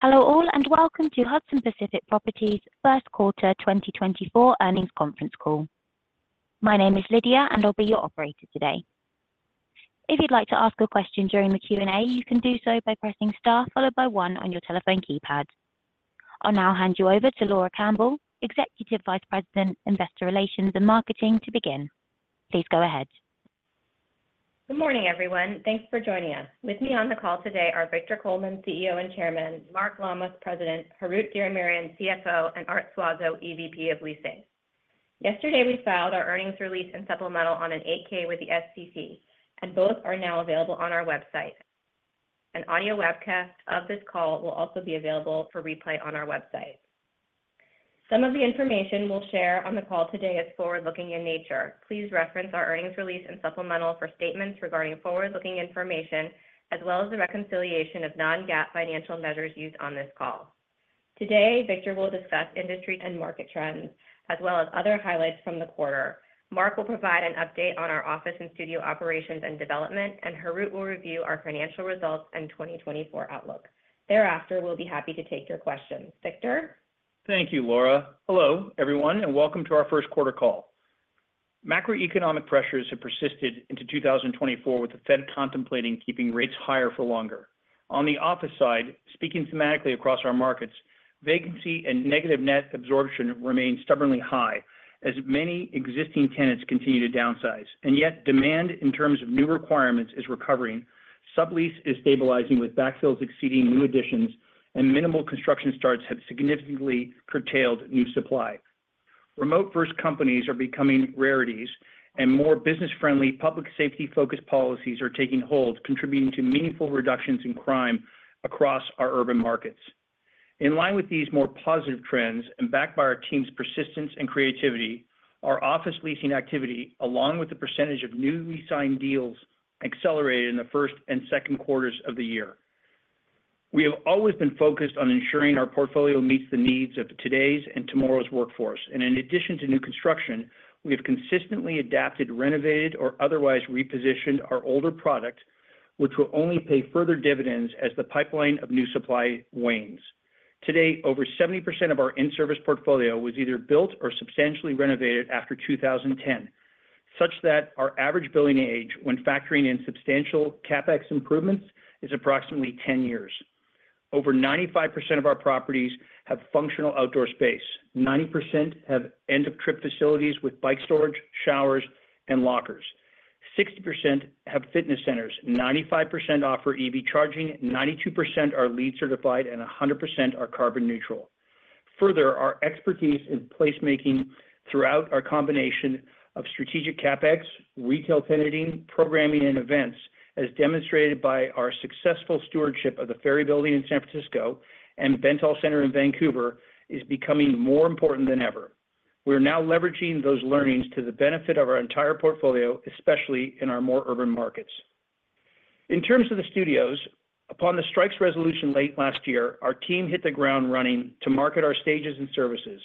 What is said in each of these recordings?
Hello all, and welcome to Hudson Pacific Properties' First Quarter 2024 earnings conference call. My name is Lydia, and I'll be your operator today. If you'd like to ask a question during the Q&A, you can do so by pressing Star followed by one on your telephone keypad. I'll now hand you over to Laura Campbell, Executive Vice President, Investor Relations and Marketing, to begin. Please go ahead. Good morning, everyone. Thanks for joining us. With me on the call today are Victor Coleman, CEO and Chairman, Mark Lammas, President, Harout Diramerian, CFO, and Art Suazo, EVP of Leasing. Yesterday, we filed our earnings release and supplemental on an 8-K with the SEC, and both are now available on our website. An audio webcast of this call will also be available for replay on our website. Some of the information we'll share on the call today is forward-looking in nature. Please reference our earnings release and supplemental for statements regarding forward-looking information, as well as the reconciliation of non-GAAP financial measures used on this call. Today, Victor will discuss industry and market trends, as well as other highlights from the quarter. Mark will provide an update on our office and studio operations and development, and Harout will review our financial results and 2024 outlook. Thereafter, we'll be happy to take your questions. Victor? Thank you, Laura. Hello, everyone, and welcome to our First Quarter call. Macroeconomic pressures have persisted into 2024, with the Fed contemplating keeping rates higher for longer. On the office side, speaking thematically across our markets, vacancy and negative net absorption remain stubbornly high as many existing tenants continue to downsize, and yet demand in terms of new requirements is recovering. Sublease is stabilizing, with backfills exceeding new additions, and minimal construction starts have significantly curtailed new supply. Remote-first companies are becoming rarities, and more business-friendly, public safety-focused policies are taking hold, contributing to meaningful reductions in crime across our urban markets. In line with these more positive trends and backed by our team's persistence and creativity, our office leasing activity, along with the percentage of newly signed deals, accelerated in the first and Second Quarters of the year. We have always been focused on ensuring our portfolio meets the needs of today's and tomorrow's workforce, and in addition to new construction, we have consistently adapted, renovated, or otherwise repositioned our older product, which will only pay further dividends as the pipeline of new supply wanes. Today, over 70% of our in-service portfolio was either built or substantially renovated after 2010, such that our average building age, when factoring in substantial CapEx improvements, is approximately 10 years. Over 95% of our properties have functional outdoor space. 90% have end-of-trip facilities with bike storage, showers, and lockers. 60% have fitness centers, 95% offer EV charging, 92% are LEED certified, and 100% are carbon neutral. Further, our expertise in placemaking throughout our combination of strategic CapEx, retail tenanting, programming, and events, as demonstrated by our successful stewardship of the Ferry Building in San Francisco and Bentall Centre in Vancouver, is becoming more important than ever. We're now leveraging those learnings to the benefit of our entire portfolio, especially in our more urban markets. In terms of the studios, upon the strikes resolution late last year, our team hit the ground running to market our stages and services.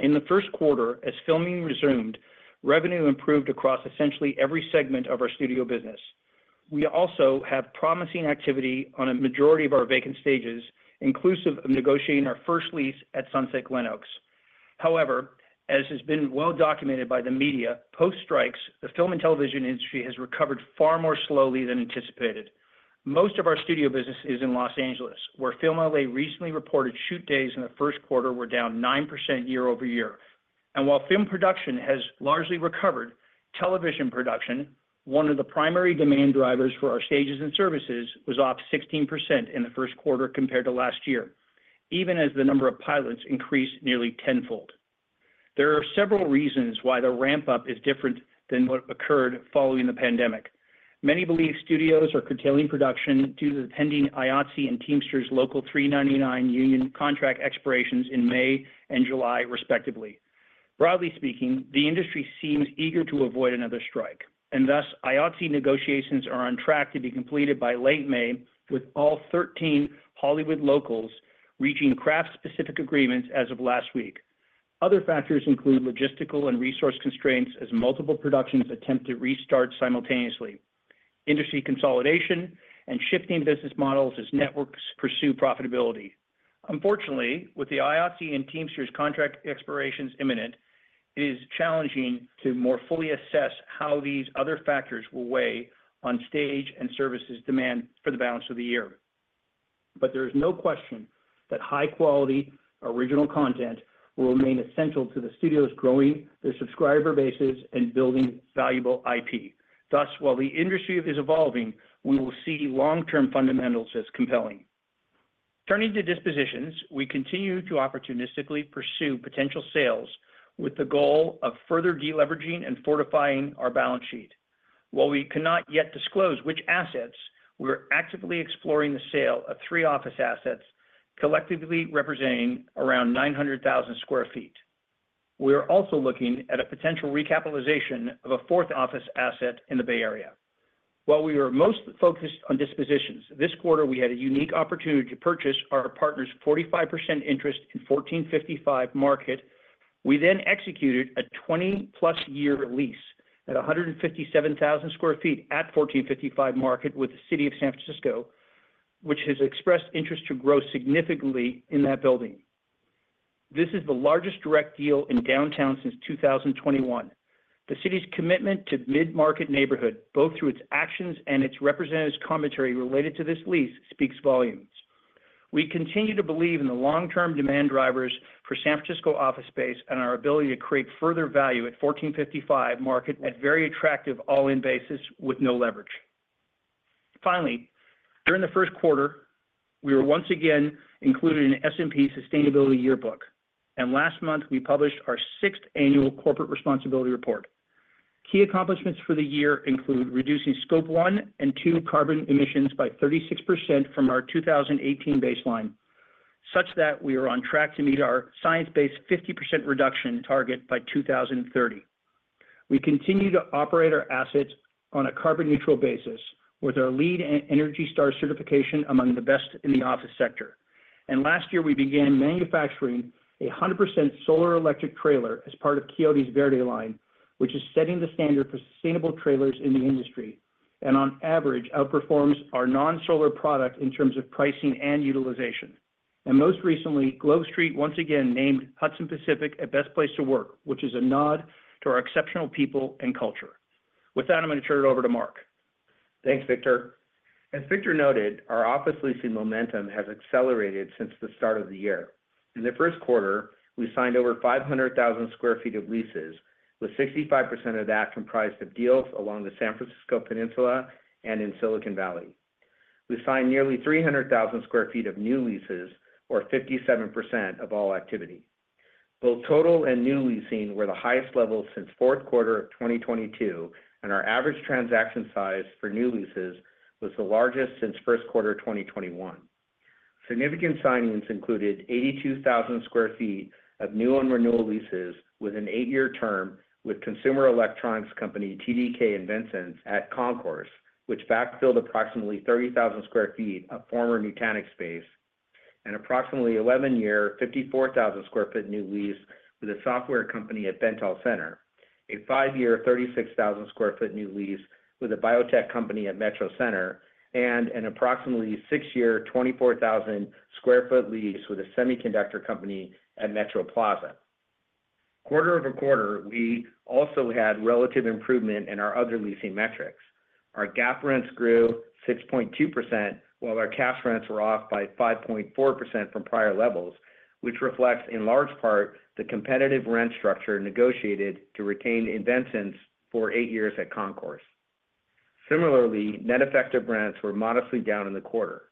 In the First Quarter, as filming resumed, revenue improved across essentially every segment of our studio business. We also have promising activity on a majority of our vacant stages, inclusive of negotiating our first lease at Sunset Glenoaks. However, as has been well documented by the media, post-strikes, the film and television industry has recovered far more slowly than anticipated. Most of our studio business is in Los Angeles, where FilmLA recently reported shoot days in the First Quarter were down 9% year-over-year. While film production has largely recovered, television production, one of the primary demand drivers for our stages and services, was off 16% in the First Quarter compared to last year, even as the number of pilots increased nearly tenfold. There are several reasons why the ramp-up is different than what occurred following the pandemic. Many believe studios are curtailing production due to the pending IATSE and Teamsters Local 399 union contract expirations in May and July, respectively. Broadly speaking, the industry seems eager to avoid another strike, and thus IATSE negotiations are on track to be completed by late May, with all 13 Hollywood locals reaching craft-specific agreements as of last week. Other factors include logistical and resource constraints as multiple productions attempt to restart simultaneously, industry consolidation and shifting business models as networks pursue profitability. Unfortunately, with the IATSE and Teamsters contract expirations imminent, it is challenging to more fully assess how these other factors will weigh on stage and services demand for the balance of the year. But there is no question that high-quality, original content will remain essential to the studios growing their subscriber bases and building valuable IP. Thus, while the industry is evolving, we will see long-term fundamentals as compelling. Turning to dispositions, we continue to opportunistically pursue potential sales with the goal of further deleveraging and fortifying our balance sheet. While we cannot yet disclose which assets, we are actively exploring the sale of three office assets, collectively representing around 900,000 sq ft. We are also looking at a potential recapitalization of a fourth office asset in the Bay Area. While we are most focused on dispositions, this quarter, we had a unique opportunity to purchase our partner's 45% interest in 1455 Market. We then executed a 20+ year lease at 157,000 sq ft at 1455 Market with the City of San Francisco, which has expressed interest to grow significantly in that building. This is the largest direct deal in downtown since 2021. The city's commitment to Mid-Market neighborhood, both through its actions and its representative's commentary related to this lease, speaks volumes. We continue to believe in the long-term demand drivers for San Francisco office space and our ability to create further value at 1455 Market at very attractive all-in basis with no leverage. Finally, during the First Quarter, we were once again included in S&P Sustainability Yearbook, and last month, we published our sixth annual corporate responsibility report. Key accomplishments for the year include reducing Scope 1 and 2 carbon emissions by 36% from our 2018 baseline, such that we are on track to meet our science-based 50% reduction target by 2030. We continue to operate our assets on a carbon neutral basis with our LEED and Energy Star certification among the best in the office sector. And last year, we began manufacturing 100% solar electric trailer as part of Quixote Verde line, which is setting the standard for sustainable trailers in the industry, and on average, outperforms our non-solar product in terms of pricing and utilization. Most recently, Globe Street once again named Hudson Pacific a best place to work, which is a nod to our exceptional people and culture. With that, I'm going to turn it over to Mark. Thanks, Victor. As Victor noted, our office leasing momentum has accelerated since the start of the year. In the First Quarter, we signed over 500,000 sq ft of leases, with 65% of that comprised of deals along the San Francisco Peninsula and in Silicon Valley. We signed nearly 300,000 sq ft of new leases, or 57% of all activity. Both total and new leasing were the highest levels since Fourth Quarter of 2022, and our average transaction size for new leases was the largest since First Quarter of 2021. Significant signings included 82,000 sq ft of new and renewal leases with an 8-year term with consumer electronics company TDK InvenSense at Concourse, which backfilled approximately 30,000 sq ft of former Nutanix space, and approximately 11-year, 54,000 sq ft new lease with a software company at Bentall Centre, a 5-year, 36,000 sq ft new lease with a biotech company at Metro Center, and an approximately 6-year, 24,000 sq ft lease with a semiconductor company at Metro Plaza. Quarter-over-quarter, we also had relative improvement in our other leasing metrics. Our GAAP rents grew 6.2%, while our cash rents were off by 5.4% from prior levels, which reflects, in large part, the competitive rent structure negotiated to retain InvenSense for 8 years at Concourse. Similarly, net effective rents were modestly down in the quarter,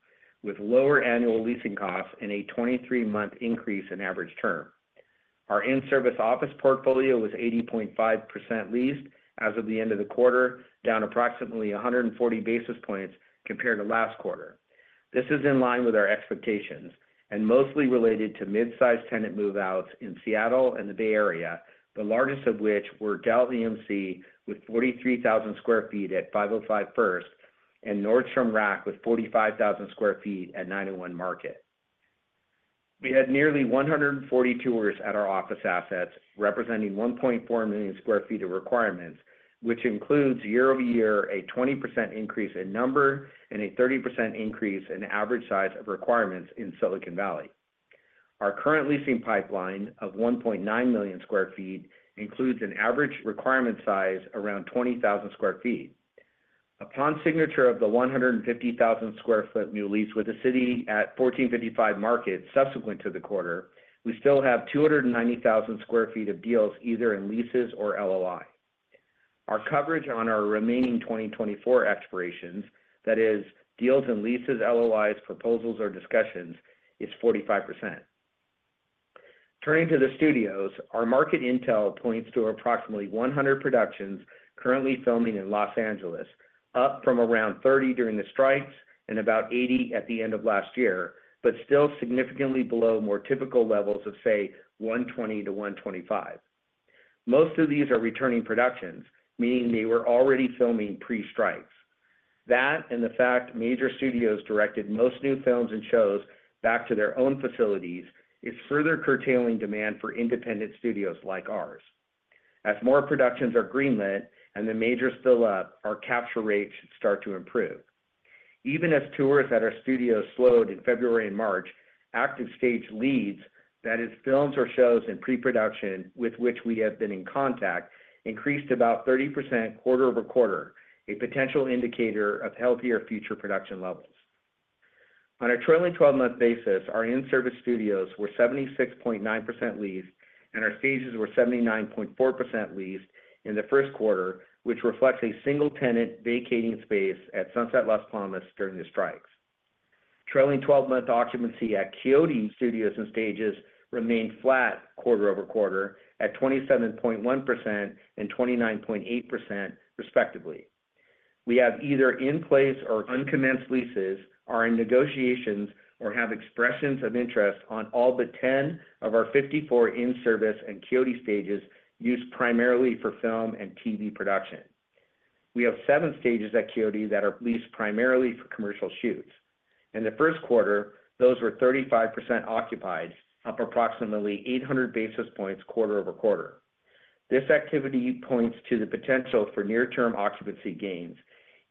with lower annual leasing costs and a 23-month increase in average term. Our in-service office portfolio was 80.5% leased as of the end of the quarter, down approximately 140 basis points compared to last quarter. This is in line with our expectations and mostly related to midsize tenant move-outs in Seattle and the Bay Area, the largest of which were Dell EMC, with 43,000 sq ft at 505 First, and Nordstrom Rack, with 45,000 sq ft at 901 Market. We had nearly 140 tours at our office assets, representing 1.4 million sq ft of requirements, which includes year-over-year, a 20% increase in number and a 30% increase in average size of requirements in Silicon Valley. Our current leasing pipeline of 1.9 million sq ft includes an average requirement size around 20,000 sq ft. Upon signature of the 150,000 sq ft new lease with the city at 1455 Market, subsequent to the quarter, we still have 290,000 sq ft of deals, either in leases or LOI. Our coverage on our remaining 2024 expirations, that is, deals and leases, LOIs, proposals, or discussions, is 45%. Turning to the studios, our market intel points to approximately 100 productions currently filming in Los Angeles, up from around 30 during the strikes and about 80 at the end of last year, but still significantly below more typical levels of, say, 120-125. Most of these are returning productions, meaning they were already filming pre-strikes. That, and the fact major studios directed most new films and shows back to their own facilities, is further curtailing demand for independent studios like ours. As more productions are greenlit and the majors fill up, our capture rate should start to improve. Even as tours at our studios slowed in February and March, active stage leads, that is, films or shows in pre-production with which we have been in contact, increased about 30% quarter-over-quarter, a potential indicator of healthier future production levels. On a trailing twelve-month basis, our in-service studios were 76.9% leased, and our stages were 79.4% leased in the First Quarter, which reflects a single tenant vacating space at Sunset Las Palmas during the strikes. Trailing twelve-month occupancy at Quixote Studios and Stages remained flat quarter-over-quarter at 27.1% and 29.8%, respectively. We have either in place or uncommenced leases, are in negotiations, or have expressions of interest on all but 10 of our 54 in-service and Quixote stages used primarily for film and TV production.... We have seven stages at Quixote that are leased primarily for commercial shoots. In the First Quarter, those were 35% occupied, up approximately 800 basis points quarter-over-quarter. This activity points to the potential for near-term occupancy gains,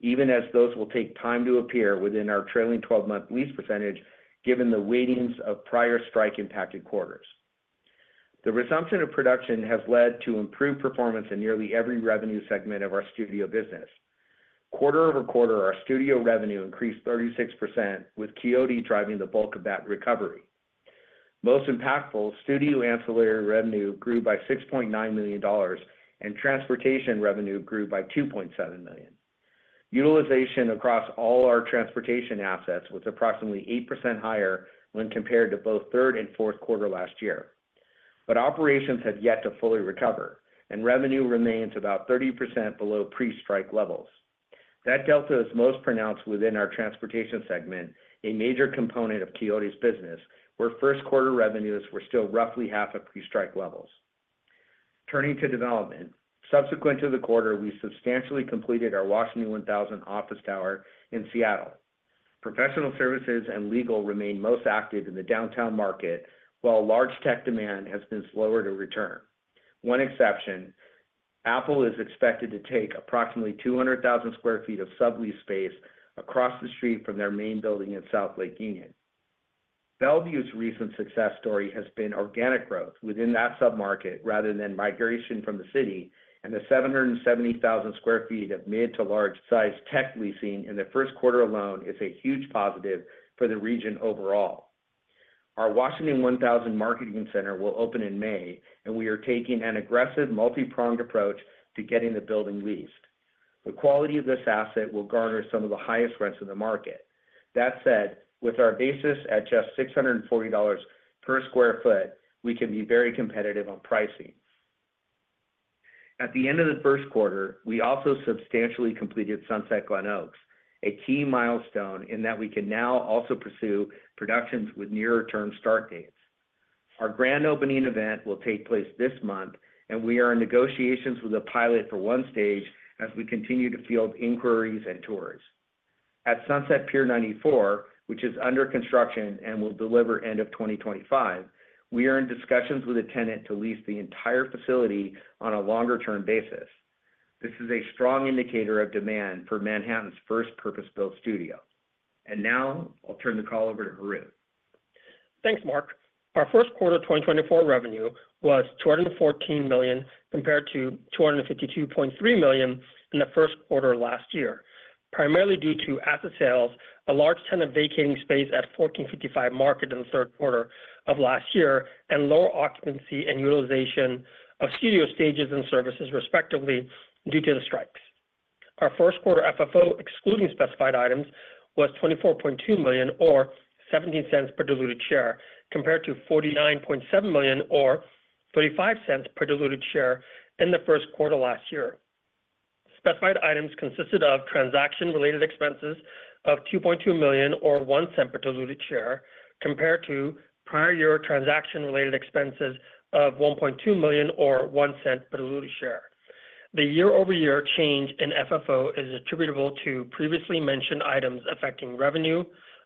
even as those will take time to appear within our trailing twelve-month lease percentage, given the weightings of prior strike-impacted quarters. The resumption of production has led to improved performance in nearly every revenue segment of our studio business. Quarter-over-quarter, our studio revenue increased 36%, with Quixote driving the bulk of that recovery. Most impactful, studio ancillary revenue grew by $6.9 million, and transportation revenue grew by $2.7 million. Utilization across all our transportation assets was approximately 8% higher when compared to both third and Fourth Quarter last year. But operations have yet to fully recover, and revenue remains about 30% below pre-strike levels. That delta is most pronounced within our transportation segment, a major component of Quixote's business, where First Quarter revenues were still roughly half of pre-strike levels. Turning to development. Subsequent to the quarter, we substantially completed our Washington 1000 office tower in Seattle. Professional services and legal remain most active in the downtown market, while large tech demand has been slower to return. One exception, Apple is expected to take approximately 200,000 sq ft of sublease space across the street from their main building in South Lake Union. Bellevue's recent success story has been organic growth within that submarket rather than migration from the city, and the 770,000 sq ft of mid to large-sized tech leasing in the First Quarter alone is a huge positive for the region overall. Our Washington 1000 marketing center will open in May, and we are taking an aggressive, multi-pronged approach to getting the building leased. The quality of this asset will garner some of the highest rents in the market. That said, with our basis at just $640 per sq ft, we can be very competitive on pricing. At the end of the First Quarter, we also substantially completed Sunset Glenoaks, a key milestone in that we can now also pursue productions with nearer-term start dates. Our grand opening event will take place this month, and we are in negotiations with a pilot for one stage as we continue to field inquiries and tours. At Sunset Pier 94, which is under construction and will deliver end of 2025, we are in discussions with a tenant to lease the entire facility on a longer-term basis. This is a strong indicator of demand for Manhattan's first purpose-built studio. Now I'll turn the call over to Harout. Thanks, Mark. Our First Quarter 2024 revenue was $214 million, compared to $252.3 million in the First Quarter last year, primarily due to asset sales, a large tenant vacating space at 1455 Market in the Third Quarter of last year, and lower occupancy and utilization of studio stages and services, respectively, due to the strikes. Our First Quarter FFO, excluding specified items, was $24.2 million or $0.17 per diluted share, compared to $49.7 million or $0.35 per diluted share in the First Quarter last year. Specified items consisted of transaction-related expenses of $2.2 million or $0.01 per diluted share, compared to prior year transaction-related expenses of $1.2 million or $0.01 per diluted share. The year-over-year change in FFO is attributable to previously mentioned items affecting revenue,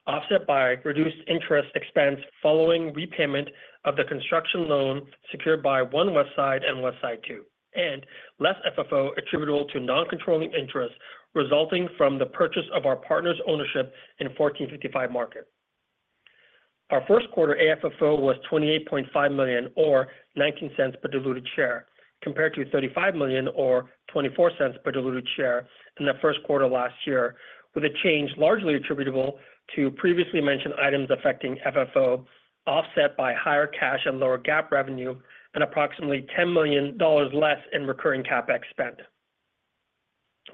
offset by reduced interest expense following repayment of the construction loan secured by One Westside and Westside Two, and less FFO attributable to non-controlling interests resulting from the purchase of our partner's ownership in 1455 Market. Our First Quarter AFFO was $28.5 million or $0.19 per diluted share, compared to $35 million or $0.24 per diluted share in the First Quarter last year, with a change largely attributable to previously mentioned items affecting FFO, offset by higher cash and lower GAAP revenue and approximately $10 million less in recurring CapEx spend.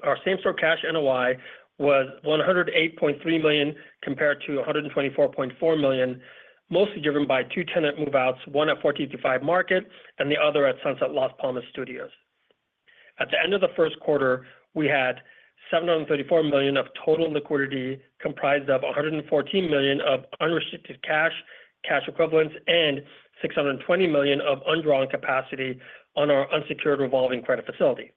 Our same-store cash NOI was $108.3 million, compared to $124.4 million, mostly driven by two tenant move-outs, one at 1455 Market and the other at Sunset Las Palmas Studios. At the end of the First Quarter, we had $734 million of total liquidity, comprised of $114 million of unrestricted cash, cash equivalents, and $620 million of undrawn capacity on our unsecured revolving credit facility.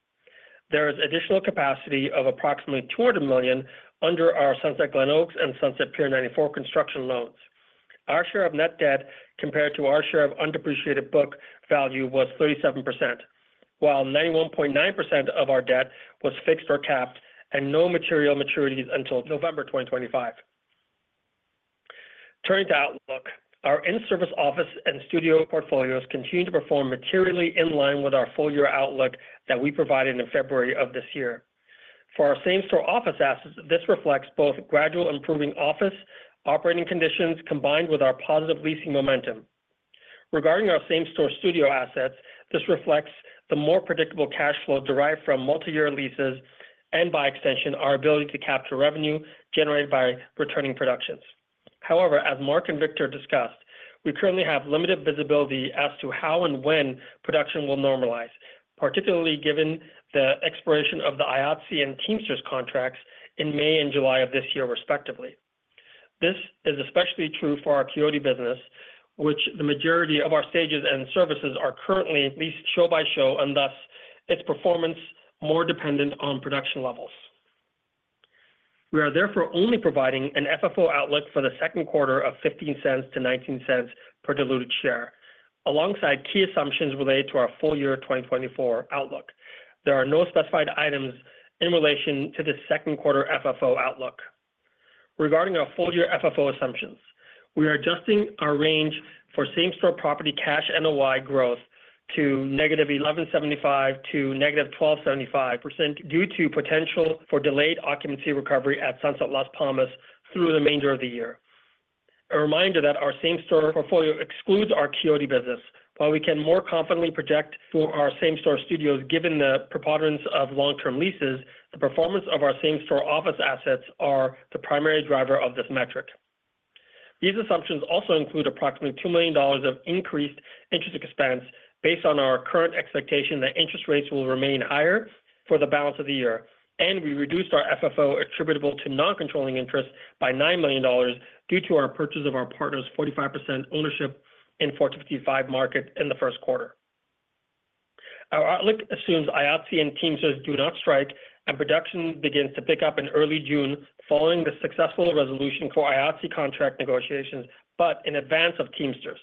There is additional capacity of approximately $200 million under our Sunset Glenoaks and Sunset Pier 94 construction loans. Our share of net debt compared to our share of undepreciated book value was 37%, while 91.9% of our debt was fixed or capped, and no material maturities until November 2025. Turning to outlook. Our in-service office and studio portfolios continue to perform materially in line with our full-year outlook that we provided in February of this year. For our same-store office assets, this reflects both gradual improving office operating conditions combined with our positive leasing momentum. Regarding our same-store studio assets, this reflects the more predictable cash flow derived from multiyear leases and, by extension, our ability to capture revenue generated by returning productions. However, as Mark and Victor discussed, we currently have limited visibility as to how and when production will normalize, particularly given the expiration of the IATSE and Teamsters contracts in May and July of this year, respectively. This is especially true for our Quixote business, which the majority of our stages and services are currently leased show by show, and thus, its performance more dependent on production levels. We are therefore only providing an FFO outlook for the Second Quarter of $0.15-$0.19 per diluted share, alongside key assumptions related to our full year 2024 outlook. There are no specified items in relation to the Second Quarter FFO outlook. Regarding our full year FFO assumptions, we are adjusting our range for same-store property cash NOI growth to -11.75% to -12.75% due to potential for delayed occupancy recovery at Sunset Las Palmas through the remainder of the year. A reminder that our same-store portfolio excludes our Quixote business. While we can more confidently project for our same-store studios, given the preponderance of long-term leases, the performance of our same-store office assets are the primary driver of this metric. These assumptions also include approximately $2 million of increased interest expense based on our current expectation that interest rates will remain higher for the balance of the year, and we reduced our FFO attributable to non-controlling interest by $9 million due to our purchase of our partner's 45% ownership in 1455 Market in the First Quarter. Our outlook assumes IATSE and Teamsters do not strike, and production begins to pick up in early June, following the successful resolution for IATSE contract negotiations, but in advance of Teamsters,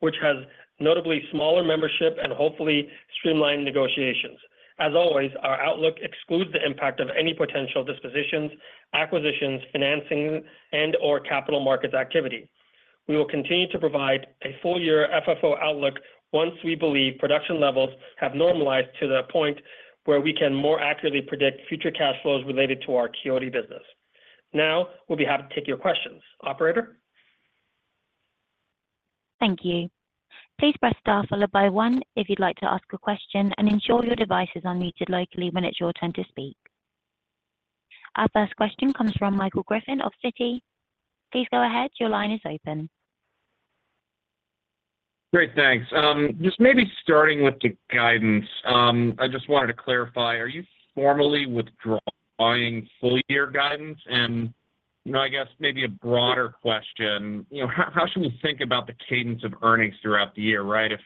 which has notably smaller membership and hopefully streamlined negotiations. As always, our outlook excludes the impact of any potential dispositions, acquisitions, financing, and/or capital markets activity. We will continue to provide a full-year FFO outlook once we believe production levels have normalized to the point where we can more accurately predict future cash flows related to our Quixote business. Now, we'll be happy to take your questions. Operator? Thank you. Please press star followed by one if you'd like to ask a question, and ensure your devices are muted locally when it's your turn to speak. Our first question comes from Michael Griffin of Citi. Please go ahead. Your line is open. Great, thanks. Just maybe starting with the guidance, I just wanted to clarify, are you formally withdrawing full year guidance? And, you know, I guess maybe a broader question, you know, how, how should we think about the cadence of earnings throughout the year, right? If,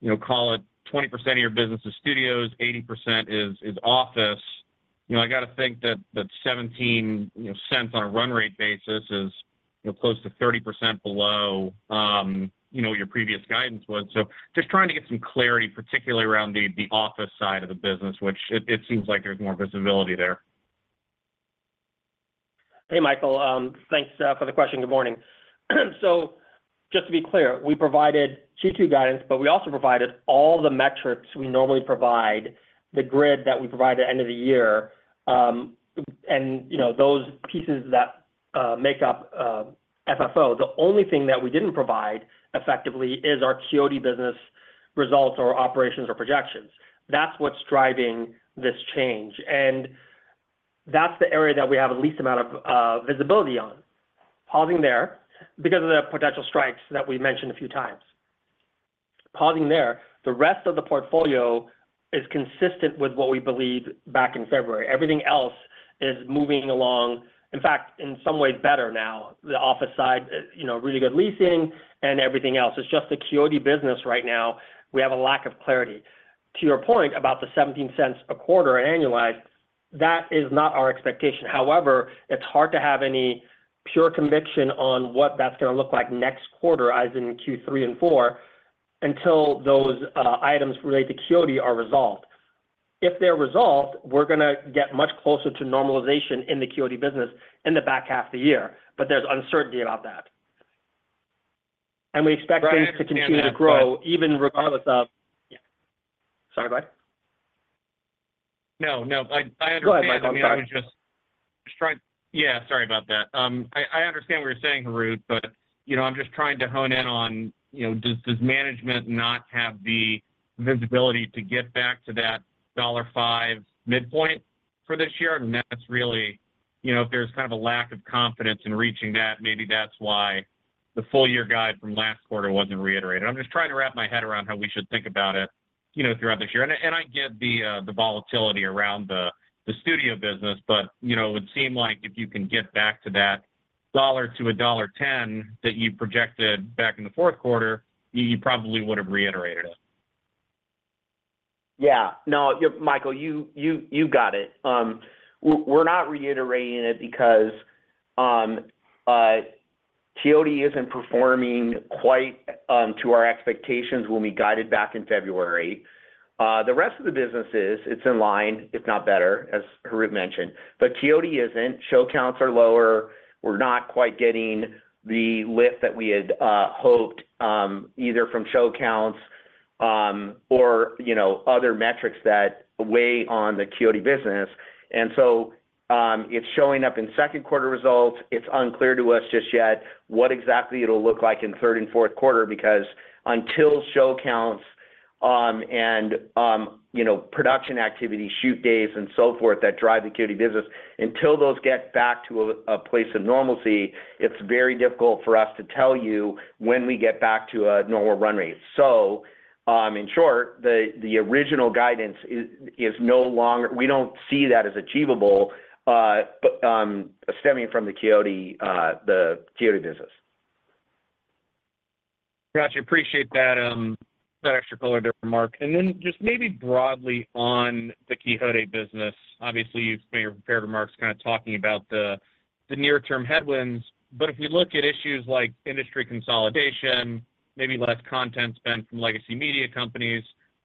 you know, call it 20% of your business is studios, 80% is, is office, you know, I got to think that, that $0.17 on a run rate basis is, you know, close to 30% below, you know, what your previous guidance was. So just trying to get some clarity, particularly around the, the office side of the business, which it, it seems like there's more visibility there. Hey, Michael, thanks for the question. Good morning. So just to be clear, we provided Q2 guidance, but we also provided all the metrics we normally provide, the grid that we provide at the end of the year, and, you know, those pieces that make up FFO. The only thing that we didn't provide effectively is our Quixote business results or operations or projections. That's what's driving this change, and that's the area that we have the least amount of visibility on. Pausing there, because of the potential strikes that we mentioned a few times. Pausing there, the rest of the portfolio is consistent with what we believed back in February. Everything else is moving along, in fact, in some ways better now. The office side, you know, really good leasing and everything else. It's just the Quixote business right now, we have a lack of clarity. To your point about the $0.17 a quarter annualized, that is not our expectation. However, it's hard to have any pure conviction on what that's going to look like next quarter, as in Q3 and 4, until those items related to Quixote are resolved. If they're resolved, we're going to get much closer to normalization in the Quixote business in the back half of the year, but there's uncertainty about that. And we expect things to continue to grow even regardless of- Yeah. Sorry, go ahead. No, no, I understand. Go ahead, Michael, sorry. I was just trying... Yeah, sorry about that. I understand what you're saying, Harout, but, you know, I'm just trying to hone in on, you know, does management not have the visibility to get back to that $1.05 midpoint for this year? And that's really, you know, if there's kind of a lack of confidence in reaching that, maybe that's why the full year guide from last quarter wasn't reiterated. I'm just trying to wrap my head around how we should think about it, you know, throughout this year. And I get the volatility around the studio business, but, you know, it would seem like if you can get back to that $1-$1.10 that you projected back in the Fourth Quarter, you probably would have reiterated it. Yeah. No, Michael, you got it. We're not reiterating it because Quixote isn't performing quite to our expectations when we guided back in February. The rest of the businesses, it's in line, if not better, as Harout mentioned, but Quixote isn't. Show counts are lower. We're not quite getting the lift that we had hoped either from show counts or, you know, other metrics that weigh on the Quixote business. And so, it's showing up in Second Quarter results. It's unclear to us just yet what exactly it'll look like in third and Fourth Quarter, because until show counts and you know, production activity, shoot days and so forth, that drive the Quixote business, until those get back to a place of normalcy, it's very difficult for us to tell you when we get back to a normal run rate. So, in short, the original guidance is no longer—we don't see that as achievable, but stemming from the Quixote business. Got you. Appreciate that, that extra color there, Mark. And then just maybe broadly on the Quixote business, obviously, you've made your prepared remarks kind of talking about the near-term headwinds. But if you look at issues like industry consolidation, maybe less content spend from legacy media companies,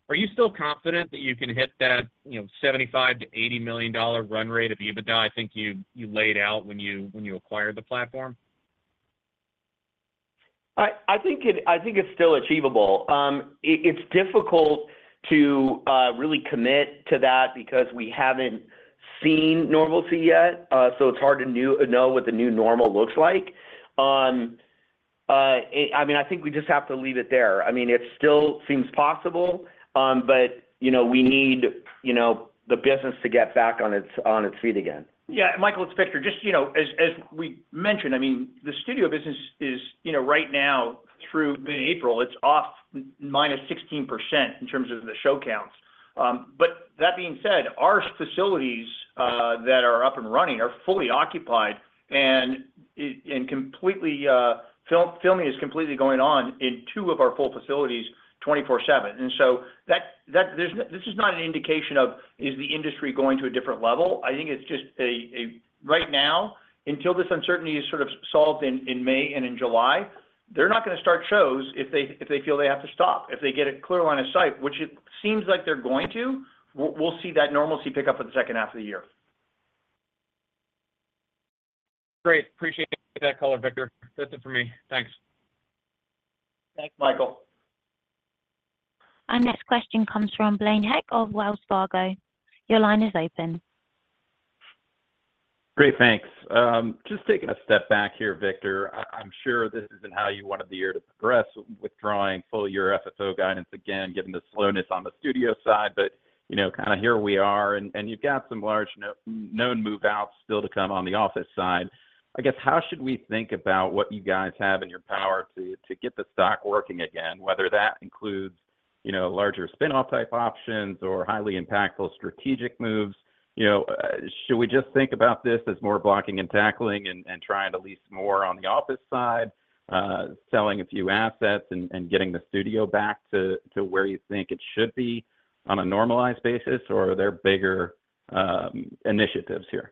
are you still confident that you can hit that, you know, $75 million-$80 million run rate of EBITDA, I think you laid out when you acquired the platform? I think it's still achievable. It's difficult to really commit to that because we haven't seen normalcy yet, so it's hard to know what the new normal looks like. I mean, I think we just have to leave it there. I mean, it still seems possible, but you know, we need you know, the business to get back on its feet again. Yeah, Michael, it's Victor. Just, you know, as we mentioned, I mean, the studio business is, you know, right now through mid-April, it's off -16% in terms of the show counts. But that being said, our facilities that are up and running are fully occupied, and completely, filming is completely going on in two of our full facilities, 24/7. And so that this is not an indication of, is the industry going to a different level? I think it's just a... Right now, until this uncertainty is sort of solved in May and in July, they're not going to start shows if they feel they have to stop. If they get a clear line of sight, which it seems like they're going to, we'll see that normalcy pick up for the second half of the year. Great. Appreciate that color, Victor. That's it for me. Thanks. Thanks, Michael. Our next question comes from Blaine Heck of Wells Fargo. Your line is open. Great, thanks. Just taking a step back here, Victor. I'm sure this isn't how you wanted the year to progress, withdrawing full year FFO guidance again, given the slowness on the studio side, but, you know, kind of here we are, and you've got some large known move-outs still to come on the office side. I guess, how should we think about what you guys have in your power to get the stock working again, whether that includes, you know, larger spinoff type options or highly impactful strategic moves? You know, should we just think about this as more blocking and tackling and trying to lease more on the office side, selling a few assets and getting the studio back to where you think it should be on a normalized basis, or are there bigger initiatives here?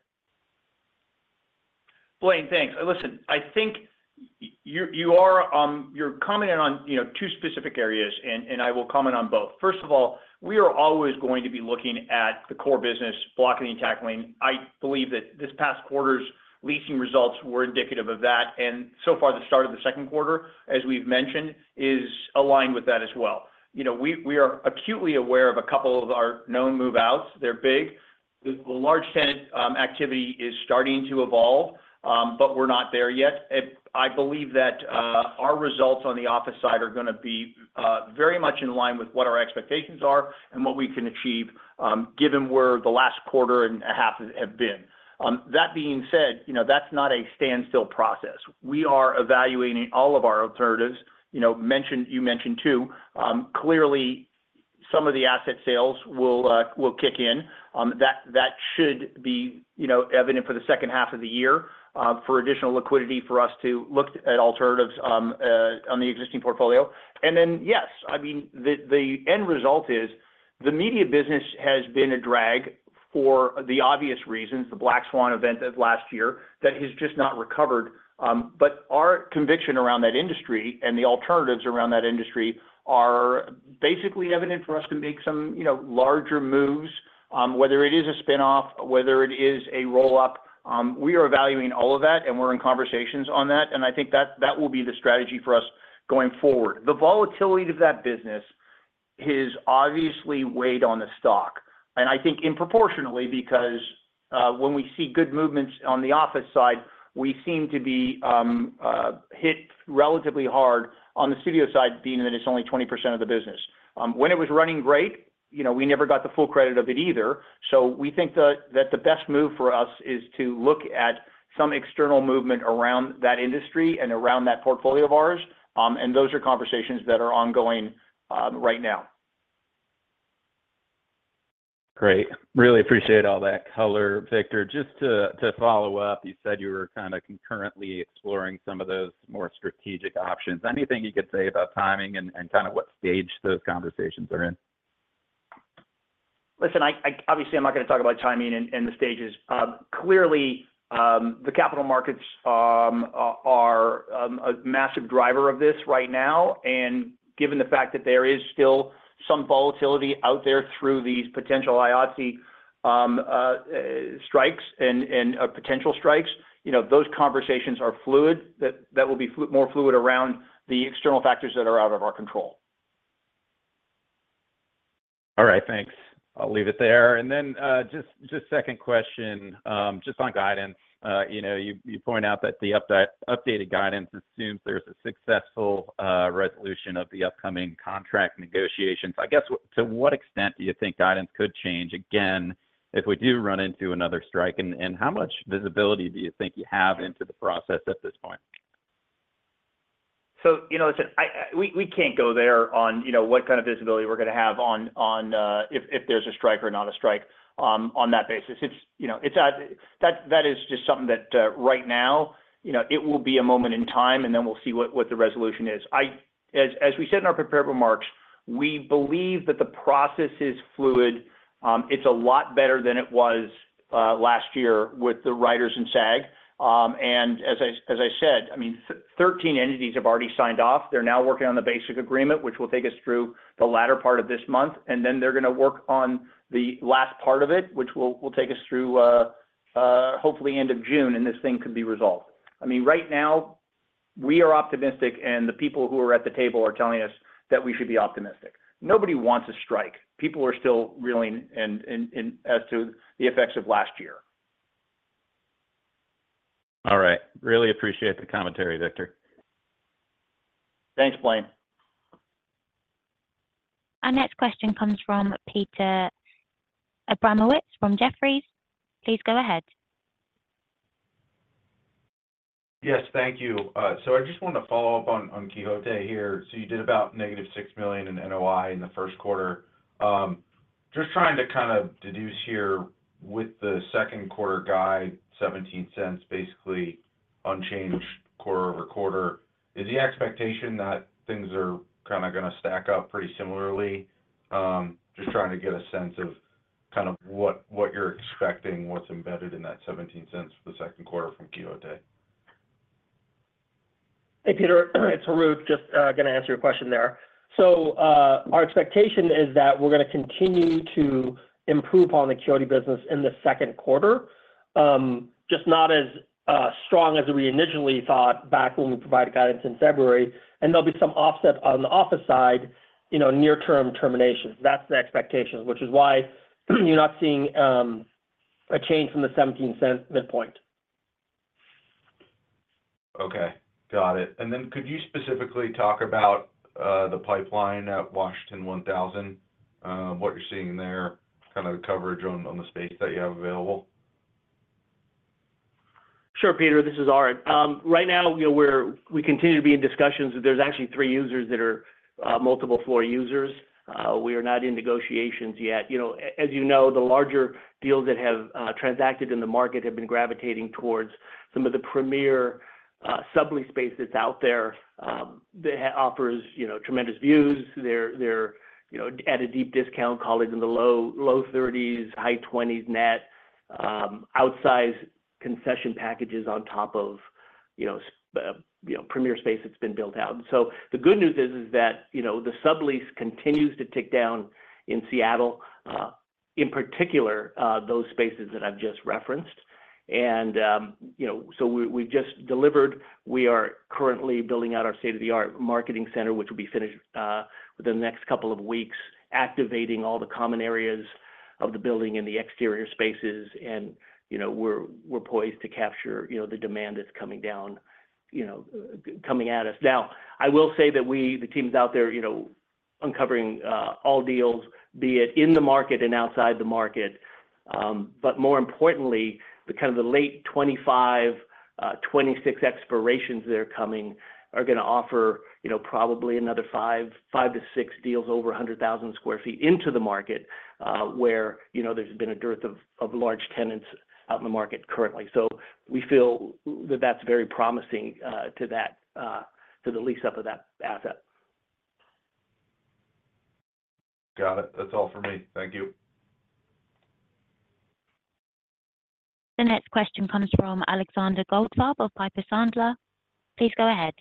Blaine, thanks. Listen, I think you, you are, you're commenting on, you know, two specific areas, and, and I will comment on both. First of all, we are always going to be looking at the core business, blocking and tackling. I believe that this past quarter's leasing results were indicative of that, and so far, the start of the Second Quarter, as we've mentioned, is aligned with that as well. You know, we are acutely aware of a couple of our known move-outs. They're big. The large tenant activity is starting to evolve, but we're not there yet. And I believe that, our results on the office side are gonna be, very much in line with what our expectations are and what we can achieve, given where the last quarter and a half have been. That being said, you know, that's not a standstill process. We are evaluating all of our alternatives, you know, mentioned—you mentioned, too. Clearly, some of the asset sales will kick in. That should be, you know, evident for the second half of the year, for additional liquidity for us to look at alternatives on the existing portfolio. And then, yes, I mean, the end result is the media business has been a drag for the obvious reasons, the black swan event of last year, that has just not recovered. But our conviction around that industry and the alternatives around that industry are basically evident for us to make some, you know, larger moves, whether it is a spin-off, whether it is a roll-up. We are evaluating all of that, and we're in conversations on that, and I think that, that will be the strategy for us going forward. The volatility of that business has obviously weighed on the stock, and I think disproportionately, because, when we see good movements on the office side, we seem to be, hit relatively hard on the studio side, being that it's only 20% of the business. When it was running great, you know, we never got the full credit of it either. So we think that, that the best move for us is to look at some external movement around that industry and around that portfolio of ours, and those are conversations that are ongoing, right now. Great. Really appreciate all that color, Victor. Just to follow up, you said you were kind of concurrently exploring some of those more strategic options. Anything you could say about timing and kind of what stage those conversations are in? Listen, obviously, I'm not going to talk about timing and the stages. Clearly, the capital markets are a massive driver of this right now, and given the fact that there is still some volatility out there through these potential IATSE strikes and potential strikes, you know, those conversations are fluid. That will be more fluid around the external factors that are out of our control. All right, thanks. I'll leave it there. And then, just second question, just on guidance. You know, you point out that the updated guidance assumes there's a successful resolution of the upcoming contract negotiations. I guess, to what extent do you think guidance could change, again, if we do run into another strike? And how much visibility do you think you have into the process at this point? ... So, you know, listen, we can't go there on, you know, what kind of visibility we're gonna have on if there's a strike or not a strike on that basis. It's, you know, that is just something that right now, you know, it will be a moment in time, and then we'll see what the resolution is. As we said in our prepared remarks, we believe that the process is fluid. It's a lot better than it was last year with the writers in SAG. And as I said, I mean, 13 entities have already signed off. They're now working on the basic agreement, which will take us through the latter part of this month, and then they're gonna work on the last part of it, which will take us through, hopefully end of June, and this thing could be resolved. I mean, right now, we are optimistic, and the people who are at the table are telling us that we should be optimistic. Nobody wants a strike. People are still reeling, and as to the effects of last year. All right. Really appreciate the commentary, Victor. Thanks, Blaine. Our next question comes from Peter Abramowitz, from Jefferies. Please go ahead. Yes, thank you. So I just wanted to follow up on, on Quixote here. So you did about negative $6 million in NOI in the First Quarter. Just trying to kind of deduce here with the Second Quarter guide, $0.17, basically unchanged quarter-over-quarter. Is the expectation that things are kind of gonna stack up pretty similarly? Just trying to get a sense of kind of what, what you're expecting, what's embedded in that $0.17 for the Second Quarter from Quixote. Hey, Peter, it's Harout, just gonna answer your question there. So, our expectation is that we're gonna continue to improve on the Quixote business in the Second Quarter. Just not as strong as we initially thought back when we provided guidance in February, and there'll be some offset on the office side, you know, near-term terminations. That's the expectation, which is why you're not seeing a change from the $0.17 midpoint. Okay, got it. And then could you specifically talk about the pipeline at Washington 1000, what you're seeing there, kind of the coverage on the space that you have available? Sure, Peter, this is Art. Right now, you know, we continue to be in discussions, but there's actually three users that are multiple floor users. We are not in negotiations yet. You know, as you know, the larger deals that have transacted in the market have been gravitating towards some of the premier sublease space that's out there that offers, you know, tremendous views. They're, you know, at a deep discount, call it in the low 30s, high 20s net, outsized concession packages on top of, you know, premier space that's been built out. So the good news is that, you know, the sublease continues to tick down in Seattle, in particular, those spaces that I've just referenced. And, you know, so we, we've just delivered. We are currently building out our state-of-the-art marketing center, which will be finished within the next couple of weeks, activating all the common areas of the building and the exterior spaces. You know, we're poised to capture, you know, the demand that's coming down, you know, coming at us. Now, I will say that we, the teams out there, you know, uncovering all deals, be it in the market and outside the market, but more importantly, the kind of the late 2025, 2026 expirations that are coming are gonna offer, you know, probably another 5 to 6 deals over 100,000 sq ft into the market, where, you know, there's been a dearth of large tenants out in the market currently. So we feel that that's very promising to that, to the lease up of that asset. Got it. That's all for me. Thank you. The next question comes from Alexander Goldfarb of Piper Sandler. Please go ahead.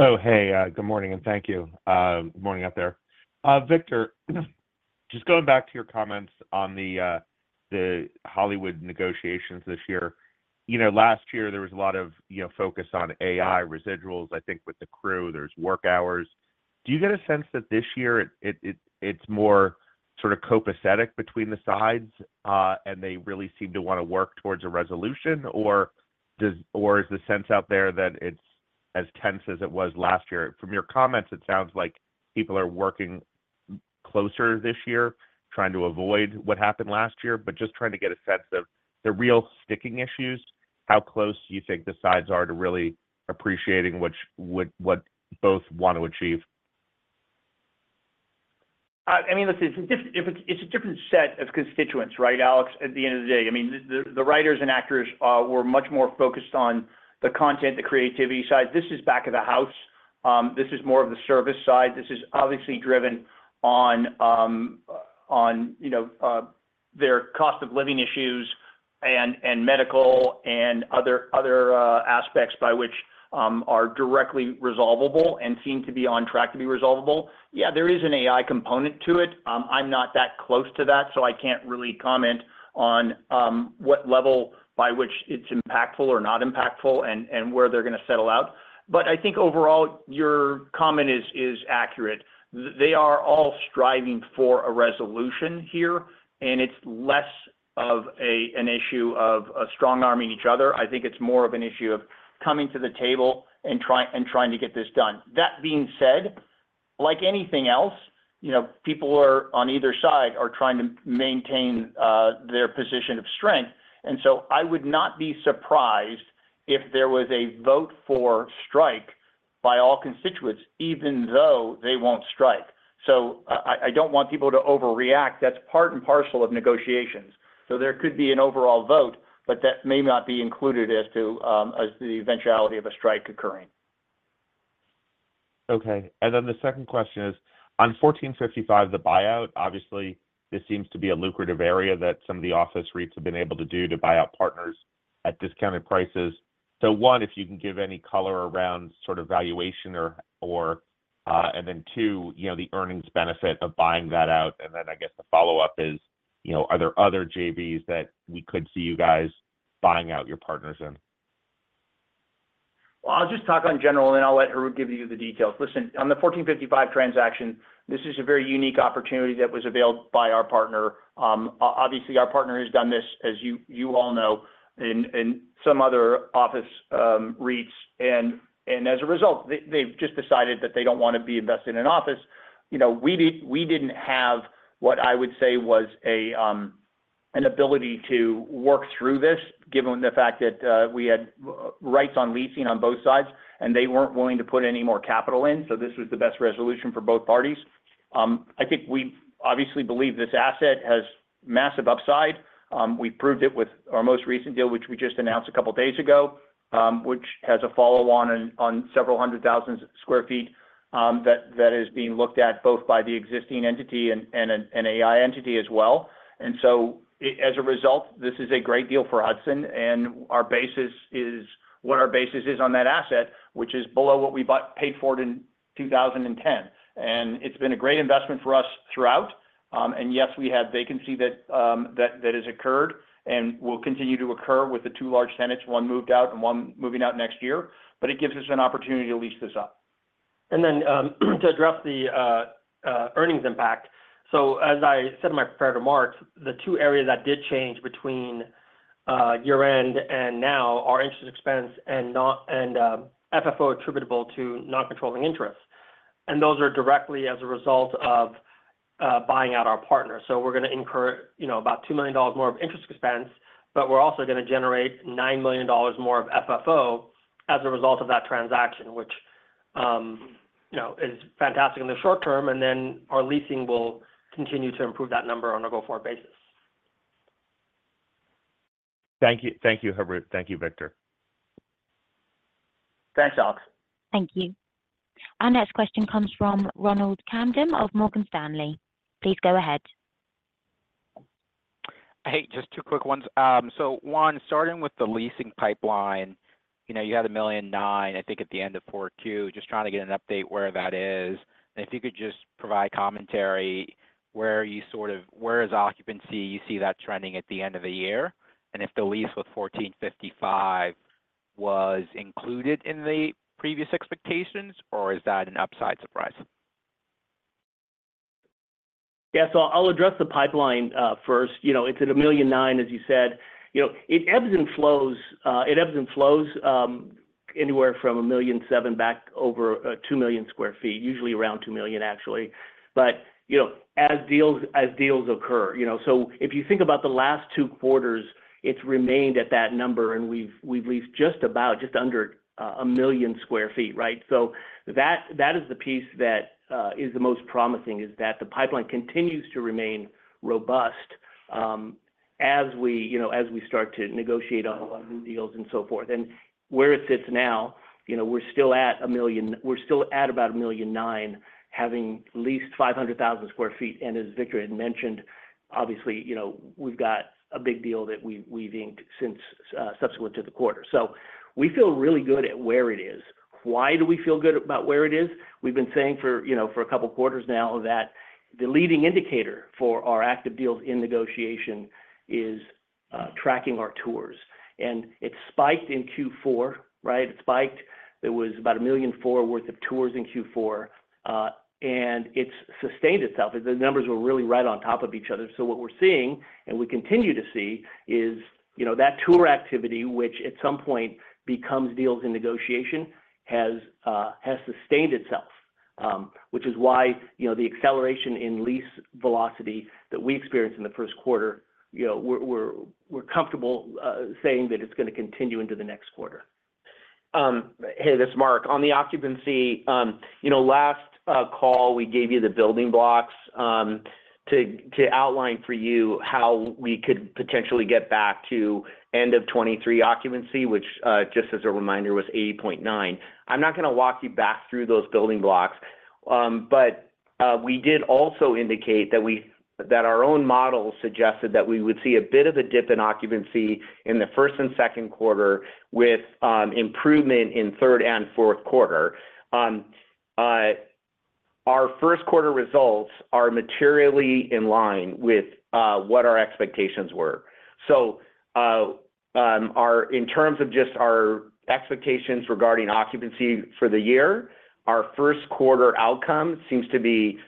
Oh, hey, good morning, and thank you. Good morning out there. Victor, just going back to your comments on the, the Hollywood negotiations this year. You know, last year, there was a lot of, you know, focus on AI residuals, I think with the crew, there's work hours. Do you get a sense that this year, it, it, it's more sort of copacetic between the sides, and they really seem to wanna work towards a resolution? Or does or is the sense out there that it's as tense as it was last year? From your comments, it sounds like people are working closer this year, trying to avoid what happened last year, but just trying to get a sense of the real sticking issues, how close do you think the sides are to really appreciating what, what, what both want to achieve? I mean, listen, it's different if it's a different set of constituents, right, Alex, at the end of the day. I mean, the writers and actors were much more focused on the content, the creativity side. This is back of the house. This is more of the service side. This is obviously driven on, you know, their cost of living issues and medical and other aspects by which are directly resolvable and seem to be on track to be resolvable. Yeah, there is an AI component to it. I'm not that close to that, so I can't really comment on what level by which it's impactful or not impactful and where they're gonna settle out. But I think overall, your comment is accurate. They are all striving for a resolution here, and it's less of an issue of strong-arming each other. I think it's more of an issue of coming to the table and trying to get this done. That being said, like anything else, you know, people on either side are trying to maintain their position of strength. And so I would not be surprised if there was a vote for strike by all constituents, even though they won't strike. So I don't want people to overreact. That's part and parcel of negotiations. So there could be an overall vote, but that may not be included as to the eventuality of a strike occurring. Okay. And then the second question is, on 1455, the buyout, obviously, this seems to be a lucrative area that some of the office REITs have been able to do to buy out partners at discounted prices. So one, if you can give any color around sort of valuation or, or—and then two, you know, the earnings benefit of buying that out. And then I guess the follow-up is, you know, are there other JVs that we could see you guys buying out your partners in? Well, I'll just talk on general, then I'll let Harout give you the details. Listen, on the 1455 transaction, this is a very unique opportunity that was availed by our partner. Obviously, our partner has done this, as you, you all know, in, in some other office, REITs, and, and as a result, they, they've just decided that they don't want to be invested in an office. You know, we didn't have what I would say was a, an ability to work through this, given the fact that, we had, rights on leasing on both sides, and they weren't willing to put any more capital in, so this was the best resolution for both parties. I think we obviously believe this asset has massive upside. We proved it with our most recent deal, which we just announced a couple of days ago, which has a follow-on on several hundred thousand sq ft that is being looked at both by the existing entity and an AI entity as well. So as a result, this is a great deal for Hudson, and our basis is what our basis is on that asset, which is below what we bought paid for it in 2010. And it's been a great investment for us throughout. And yes, we have vacancy that has occurred and will continue to occur with the two large tenants, one moved out and one moving out next year, but it gives us an opportunity to lease this up. To address the earnings impact. So as I said in my prepared remarks, the two areas that did change between year-end and now are interest expense and FFO attributable to non-controlling interest. And those are directly as a result of buying out our partner. So we're going to incur, you know, about $2 million more of interest expense, but we're also going to generate $9 million more of FFO as a result of that transaction, which, you know, is fantastic in the short term, and then our leasing will continue to improve that number on a go-forward basis. Thank you. Thank you, Harout. Thank you, Victor. Thanks, Alex. Thank you. Our next question comes from Ronald Kamden of Morgan Stanley. Please go ahead. Hey, just two quick ones. So one, starting with the leasing pipeline, you know, you had 1.9 million, I think, at the end of quarter two, just trying to get an update where that is. And if you could just provide commentary, where are you sort of, where is occupancy, you see that trending at the end of the year? And if the lease with 1455 was included in the previous expectations, or is that an upside surprise? Yeah, so I'll address the pipeline first. You know, it's at 1.9 million, as you said. You know, it ebbs and flows. It ebbs and flows anywhere from 1.7 million back over 2 million sq ft, usually around 2 million, actually. But, you know, as deals, as deals occur, you know? So if you think about the last two quarters, it's remained at that number, and we've leased just under 1 million sq ft, right? So that is the piece that is the most promising, is that the pipeline continues to remain robust as we start to negotiate on a lot of new deals and so forth. And where it sits now, you know, we're still at about 1.9 million, having leased 500,000 sq ft. As Victor had mentioned, obviously, you know, we've got a big deal that we, we've inked since subsequent to the quarter. So we feel really good at where it is. Why do we feel good about where it is? We've been saying for, you know, for a couple of quarters now that the leading indicator for our active deals in negotiation is tracking our tours. And it spiked in Q4, right? It spiked. It was about 1.4 million worth of tours in Q4, and it's sustained itself. The numbers were really right on top of each other. What we're seeing, and we continue to see, is, you know, that tour activity, which at some point becomes deals in negotiation, has sustained itself, which is why, you know, the acceleration in lease velocity that we experienced in the First Quarter, you know, we're comfortable saying that it's going to continue into the next quarter. Hey, this is Mark. On the occupancy, you know, last call, we gave you the building blocks to outline for you how we could potentially get back to end of 2023 occupancy, which, just as a reminder, was 80.9%. I'm not going to walk you back through those building blocks, but we did also indicate that our own model suggested that we would see a bit of a dip in occupancy in the first and Second Quarter, with improvement in third and Fourth Quarter. Our First Quarter results are materially in line with what our expectations were. So, in terms of just our expectations regarding occupancy for the year, our First Quarter outcome seems to be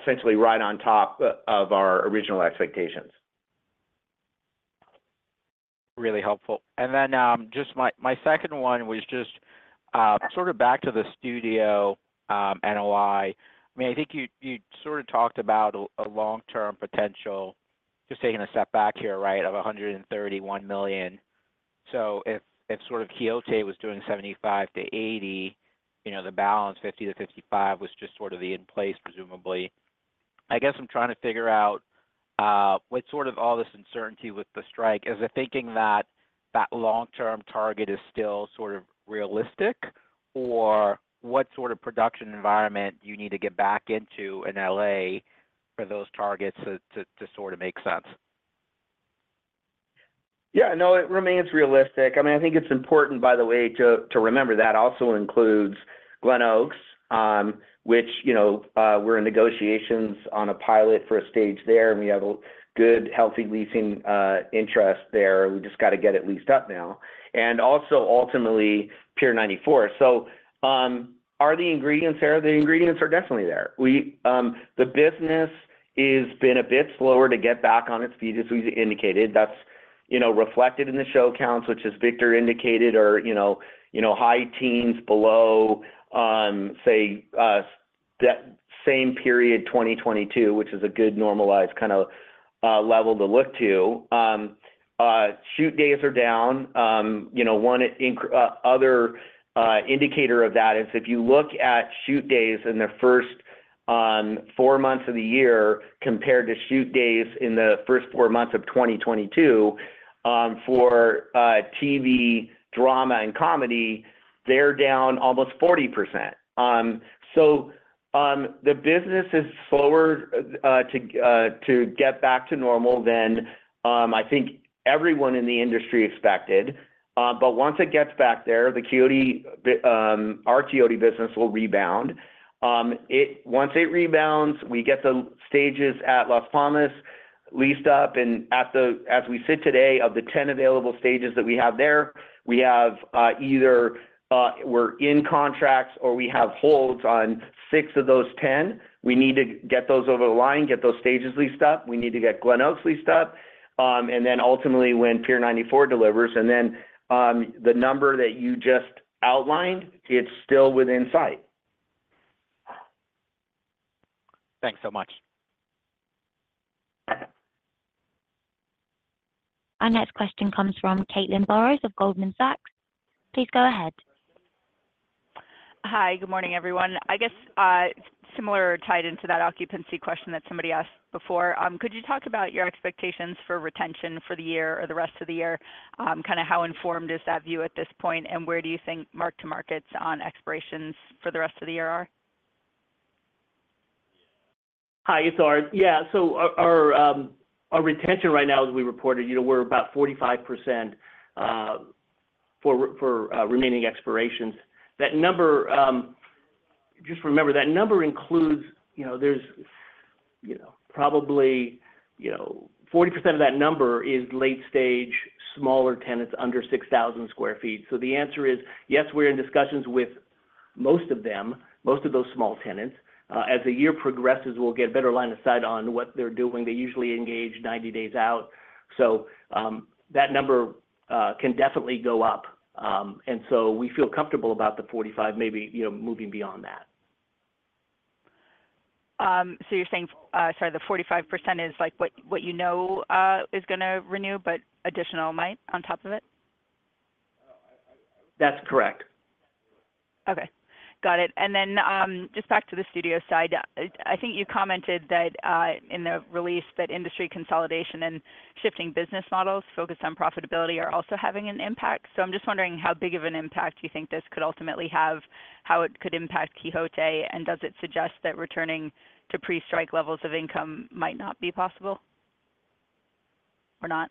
essentially right on top of our original expectations. ...Really helpful. And then, just my, my second one was just, sort of back to the studio, NOI. I mean, I think you, you sort of talked about a, a long-term potential, just taking a step back here, right, of $131 million. So if, if sort of Quixote was doing $75 million-$80 million, you know, the balance, $50 million-$55 million, was just sort of the in place, presumably. I guess I'm trying to figure out, with sort of all this uncertainty with the strike, is the thinking that that long-term target is still sort of realistic? Or what sort of production environment do you need to get back into in LA for those targets to, to, to sort of make sense? Yeah. No, it remains realistic. I mean, I think it's important, by the way, to remember that also includes Glenoaks, which, you know, we're in negotiations on a pilot for a stage there, and we have a good, healthy leasing interest there. We just got to get it leased up now. And also, ultimately, Pier 94. So, are the ingredients there? The ingredients are definitely there. We, the business is been a bit slower to get back on its feet, as we've indicated. That's, you know, reflected in the show counts, which, as Victor indicated, are, you know, high teens below, say, that same period, 2022, which is a good normalized kind of level to look to. Shoot days are down. You know, one other indicator of that is if you look at shoot days in the first four months of the year compared to shoot days in the first four months of 2022, for TV, drama, and comedy, they're down almost 40%. So, the business is slower to get back to normal than I think everyone in the industry expected. But once it gets back there, our Quixote business will rebound. Once it rebounds, we get the stages at Las Palmas leased up, and as we sit today, of the 10 available stages that we have there, we have either we're in contracts or we have holds on 6 of those 10. We need to get those over the line, get those stages leased up. We need to get Glenoaks leased up, and then ultimately, when Pier 94 delivers, and then, the number that you just outlined, it's still within sight. Thanks so much. `Our next question comes from Caitlin Burrows of Goldman Sachs. Please go ahead. Hi. Good morning, everyone. I guess, similar or tied into that occupancy question that somebody asked before, could you talk about your expectations for retention for the year or the rest of the year? Kind of how informed is that view at this point, and where do you think mark-to-market on expirations for the rest of the year are? Hi, it's Art. Yeah, so our retention right now, as we reported, you know, we're about 45%, for remaining expirations. That number, just remember, that number includes, you know, there's, you know, probably 40% of that number is late stage, smaller tenants under 6,000 sq ft. So the answer is, yes, we're in discussions with most of them, most of those small tenants. As the year progresses, we'll get better line of sight on what they're doing. They usually engage 90 days out. So, that number can definitely go up. And so we feel comfortable about the 45%, maybe, you know, moving beyond that. So you're saying, sorry, the 45% is, like, what, what you know, is gonna renew, but additional might on top of it? That's correct. Okay, got it. And then, just back to the studio side. I think you commented that, in the release, that industry consolidation and shifting business models focused on profitability are also having an impact. So I'm just wondering how big of an impact you think this could ultimately have, how it could impact Quixote, and does it suggest that returning to pre-strike levels of income might not be possible or not?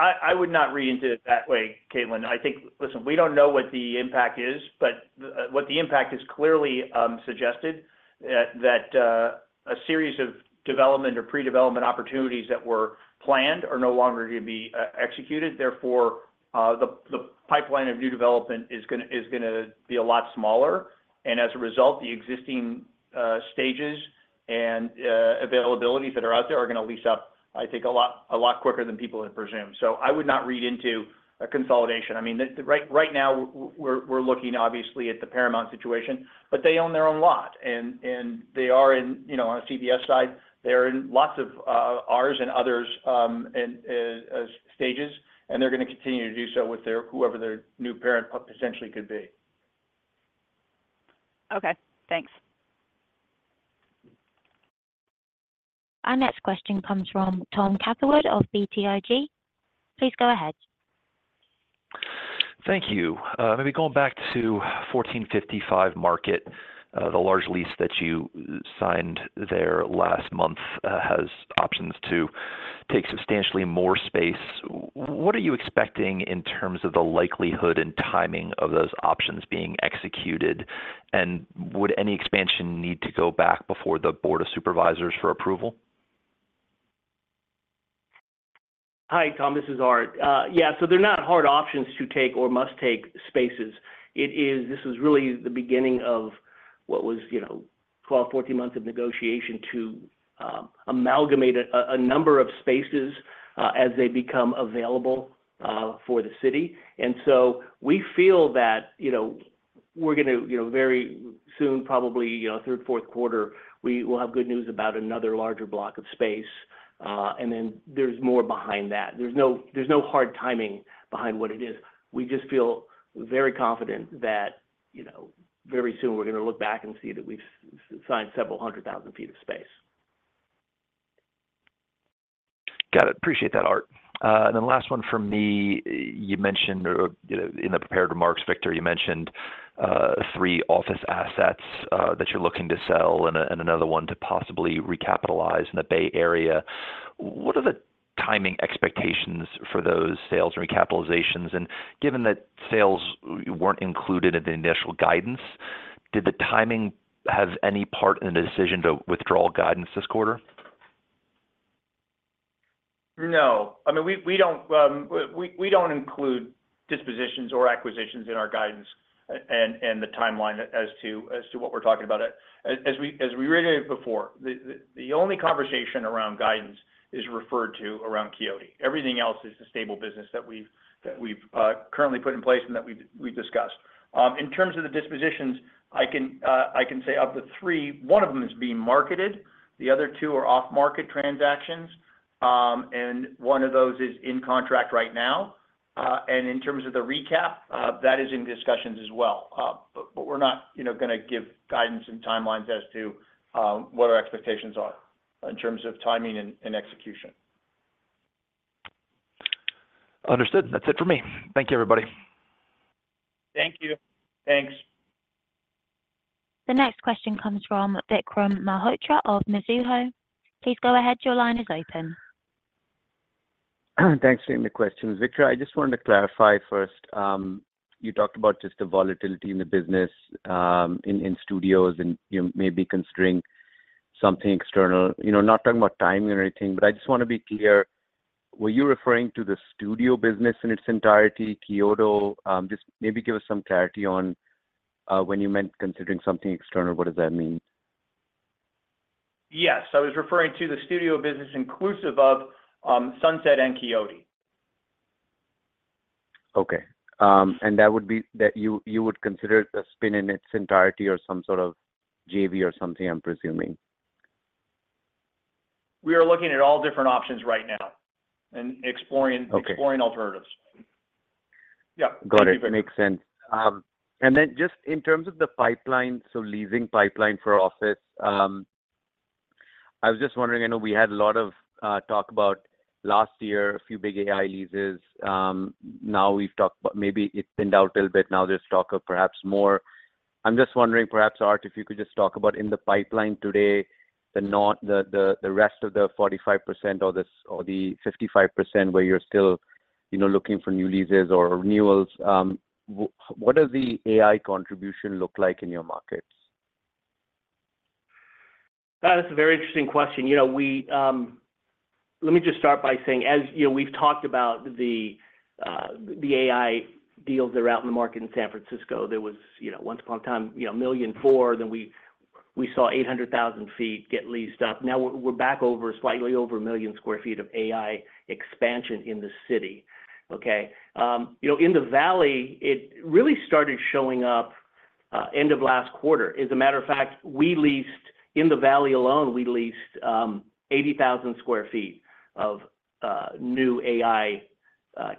I would not read into it that way, Caitlin. I think... Listen, we don't know what the impact is, but what the impact has clearly suggested that a series of development or pre-development opportunities that were planned are no longer going to be executed. Therefore, the pipeline of new development is gonna be a lot smaller, and as a result, the existing stages and availabilities that are out there are gonna lease up, I think, a lot quicker than people had presumed. So I would not read into a consolidation. I mean, right, right now, we're looking obviously at the Paramount situation, but they own their own lot, and they are in, you know, on a CBS side, they're in lots of ours and others, and stages, and they're gonna continue to do so with their, whoever their new parent potentially could be. Okay, thanks. Our next question comes from Tom Catherwood of BTIG. Please go ahead. Thank you. Maybe going back to 1455 Market, the large lease that you signed there last month has options to take substantially more space. What are you expecting in terms of the likelihood and timing of those options being executed? And would any expansion need to go back before the board of supervisors for approval? Hi, Tom, this is Art. Yeah, so they're not hard options to take or must-take spaces. This is really the beginning of what was, you know, 12, 14 months of negotiation to amalgamate a number of spaces as they become available for the city. And so we feel that, you know, we're gonna, you know, very soon, probably, you know, third, Fourth Quarter, we will have good news about another larger block of space, and then there's more behind that. There's no hard timing behind what it is. We just feel very confident that, you know, very soon we're gonna look back and see that we've signed several hundred thousand feet of space. Got it. Appreciate that, Art. And then last one from me. You mentioned or, you know, in the prepared remarks, Victor, you mentioned, three office assets, that you're looking to sell and, and another one to possibly recapitalize in the Bay Area. What are the timing expectations for those sales recapitalizations? And given that sales weren't included in the initial guidance, did the timing have any part in the decision to withdraw guidance this quarter? No. I mean, we don't include dispositions or acquisitions in our guidance, and the timeline as to what we're talking about. As we reiterated before, the only conversation around guidance is referred to around Quixote. Everything else is the stable business that we've currently put in place and that we've discussed. In terms of the dispositions, I can say of the three, one of them is being marketed, the other two are off-market transactions, and one of those is in contract right now. And in terms of the recap, that is in discussions as well. But we're not, you know, gonna give guidance and timelines as to what our expectations are in terms of timing and execution. Understood. That's it for me. Thank you, everybody. Thank you. Thanks. The next question comes from Vikram Malhotra of Mizuho. Please go ahead. Your line is open. Thanks for taking the questions. Victor, I just wanted to clarify first, you talked about just the volatility in the business, in studios, and you may be considering something external. You know, not talking about timing or anything, but I just wanna be clear: Were you referring to the studio business in its entirety, Quixote? Just maybe give us some clarity on, when you meant considering something external, what does that mean? Yes, I was referring to the studio business, inclusive of Sunset and Quixote. Okay. That would be that you would consider the spin in its entirety or some sort of JV or something, I'm presuming? We are looking at all different options right now and exploring- Okay... exploring alternatives. Yeah. Got it. Makes sense. And then just in terms of the pipeline, so leasing pipeline for office, I was just wondering, I know we had a lot of talk about last year, a few big AI leases. Now we've talked about maybe it thinned out a little bit. Now, there's talk of perhaps more. I'm just wondering, perhaps, Art, if you could just talk about in the pipeline today, the rest of the 45% or the 55%, where you're still, you know, looking for new leases or renewals. What does the AI contribution look like in your markets? That's a very interesting question. You know, let me just start by saying, as you know, we've talked about the AI deals that are out in the market in San Francisco, there was, you know, once upon a time, you know, 1.4 million, then we saw 800,000 sq ft get leased up. Now we're back over, slightly over 1 million sq ft of AI expansion in the city, okay? You know, in the Valley, it really started showing up end of last quarter. As a matter of fact, we leased in the Valley alone, we leased 80,000 sq ft of new AI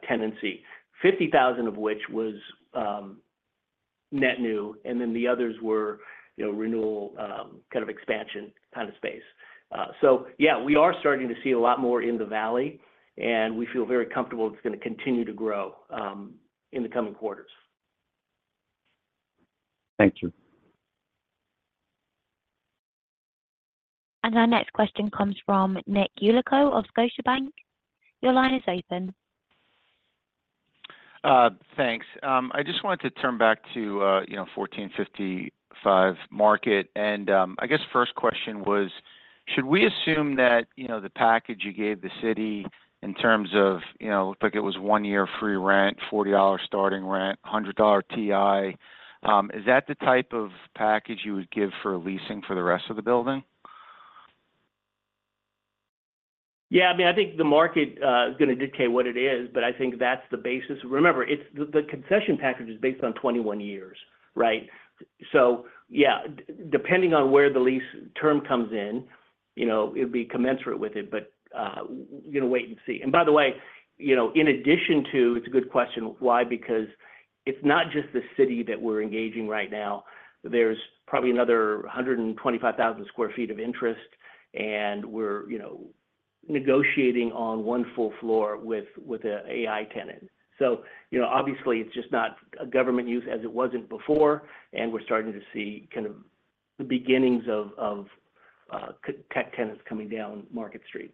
tenancy, 50,000 of which was net new, and then the others were, you know, renewal kind of expansion kind of space. So yeah, we are starting to see a lot more in the Valley, and we feel very comfortable it's gonna continue to grow in the coming quarters. Thank you. Our next question comes from Nick Yulico of Scotiabank. Your line is open. Thanks. I just wanted to turn back to, you know, 1455 Market. I guess first question was, should we assume that, you know, the package you gave the city in terms of, you know, looked like it was one year free rent, $40 starting rent, $100 TI, is that the type of package you would give for leasing for the rest of the building? Yeah, I mean, I think the market is gonna dictate what it is, but I think that's the basis. Remember, it's the concession package is based on 21 years, right? So yeah, depending on where the lease term comes in, you know, it'll be commensurate with it, but we're gonna wait and see. And by the way, you know, in addition to, it's a good question, why? Because it's not just the city that we're engaging right now. There's probably another 125,000 sq ft of interest, and we're, you know, negotiating on one full floor with an AI tenant. So, you know, obviously, it's just not a government use as it wasn't before, and we're starting to see kind of the beginnings of tenants coming down Market Street.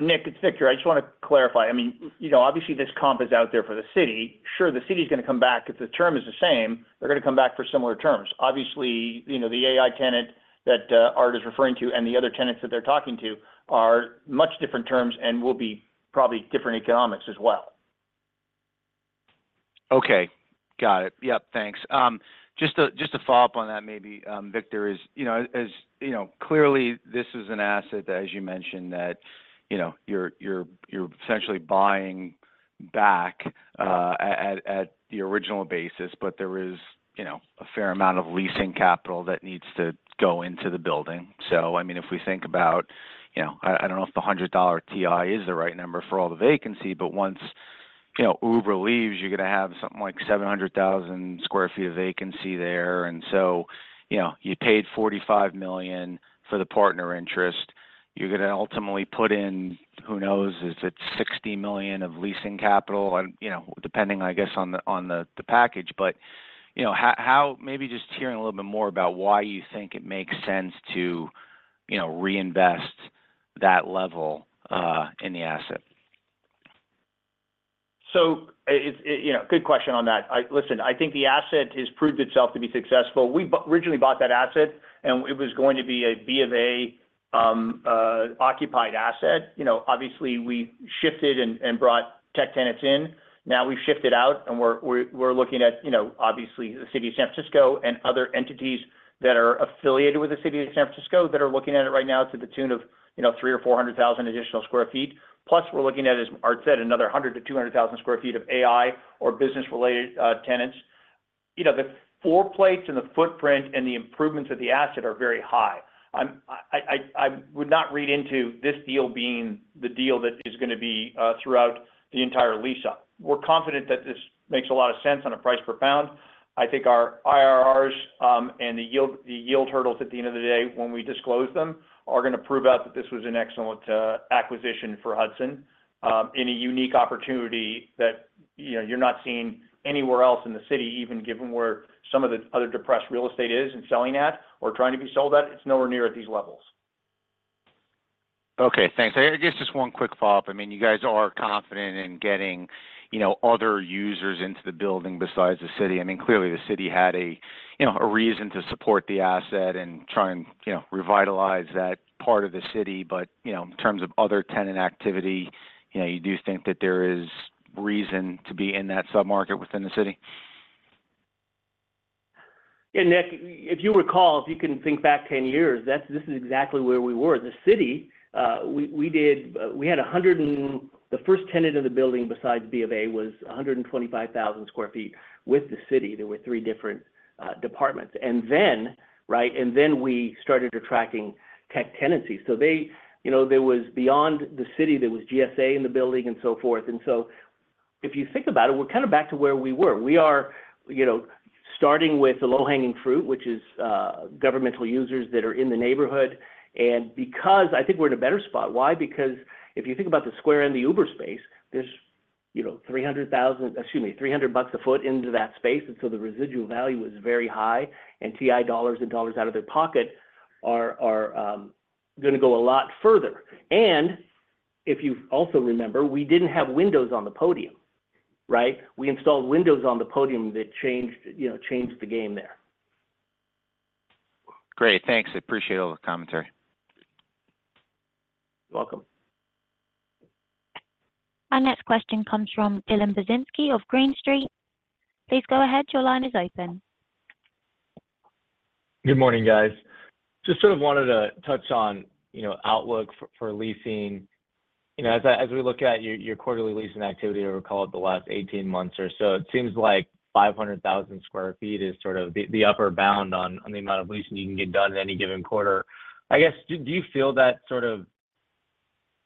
Nick, it's Victor here. I just wanna clarify. I mean, you know, obviously this comp is out there for the city. Sure, the city is gonna come back. If the term is the same, they're gonna come back for similar terms. Obviously, you know, the AI tenant that, Art is referring to and the other tenants that they're talking to are much different terms and will be probably different economics as well. Okay, got it. Yep, thanks. Just to follow up on that maybe, Victor, you know, as you know, clearly this is an asset that, as you mentioned, that you know, you're essentially buying back at the original basis, but there is you know, a fair amount of leasing capital that needs to go into the building. So I mean, if we think about you know, I don't know if the $100 TI is the right number for all the vacancy, but once you know, Uber leaves, you're gonna have something like 700,000 sq ft of vacancy there. And so you know, you paid $45 million for the partner interest. You're gonna ultimately put in, who knows, is it $60 million of leasing capital? And you know, depending, I guess, on the package. You know, maybe just hearing a little bit more about why you think it makes sense to, you know, reinvest that level in the asset? So, you know, good question on that. Listen, I think the asset has proved itself to be successful. We originally bought that asset, and it was going to be a B of A occupied asset. You know, obviously, we shifted and brought tech tenants in. Now, we've shifted out, and we're looking at, you know, obviously, the city of San Francisco and other entities that are affiliated with the city of San Francisco, that are looking at it right now to the tune of, you know, 300,000 or 400,000 additional sq ft. Plus, we're looking at, as Art said, another 100,000-200,000 sq ft of AI or business-related tenants. You know, the floor plates, and the footprint, and the improvements of the asset are very high. I would not read into this deal being the deal that is gonna be throughout the entire lease-up. We're confident that this makes a lot of sense on a price per pound. I think our IRRs and the yield, the yield hurdles at the end of the day, when we disclose them, are gonna prove out that this was an excellent acquisition for Hudson. And a unique opportunity that, you know, you're not seeing anywhere else in the city, even given where some of the other depressed real estate is in selling at or trying to be sold at, it's nowhere near at these levels. Okay, thanks. I guess just one quick follow-up. I mean, you guys are confident in getting, you know, other users into the building besides the city. I mean, clearly, the city had a, you know, a reason to support the asset and try and, you know, revitalize that part of the city. But, you know, in terms of other tenant activity, you know, you do think that there is reason to be in that submarket within the city? Yeah, Nick, if you recall, if you can think back 10 years, that's—this is exactly where we were. The city, we, we did—we had a hundred and... The first tenant of the building besides B of A was 125,000 sq ft. With the city, there were three different departments. And then, right, and then we started attracting tech tenancy. So they, you know, there was beyond the city, there was GSA in the building and so forth. And so if you think about it, we're kind of back to where we were. We are, you know, starting with the low-hanging fruit, which is governmental users that are in the neighborhood. And because I think we're in a better spot. Why? Because if you think about the Square and the Uber space, there's, you know, 300,000, excuse me, $300 a foot into that space, and so the residual value is very high, and TI dollars and dollars out of their pocket are gonna go a lot further. And if you also remember, we didn't have windows on the podium, right? We installed windows on the podium that changed, you know, changed the game there. Great, thanks. I appreciate all the commentary. You're welcome. Our next question comes from Dylan Burzinski of Green Street. Please go ahead. Your line is open. Good morning, guys. Just sort of wanted to touch on, you know, outlook for, for leasing. You know, as I-- as we look at your, your quarterly leasing activity over, call it, the last 18 months or so, it seems like 500,000 sq ft is sort of the, the upper bound on, on the amount of leasing you can get done in any given quarter. I guess, do, do you feel that sort of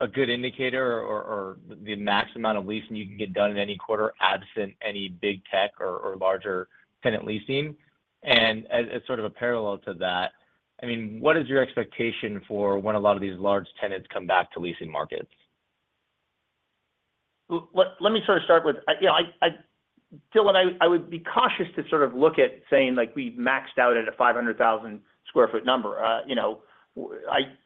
a good indicator or, or, the max amount of leasing you can get done in any quarter, absent any big tech or, or larger tenant leasing? And as, as sort of a parallel to that, I mean, what is your expectation for when a lot of these large tenants come back to leasing markets? Let me sort of start with... I, you know, Dylan, I would be cautious to sort of look at saying, like, we've maxed out at a 500,000 sq ft number. You know,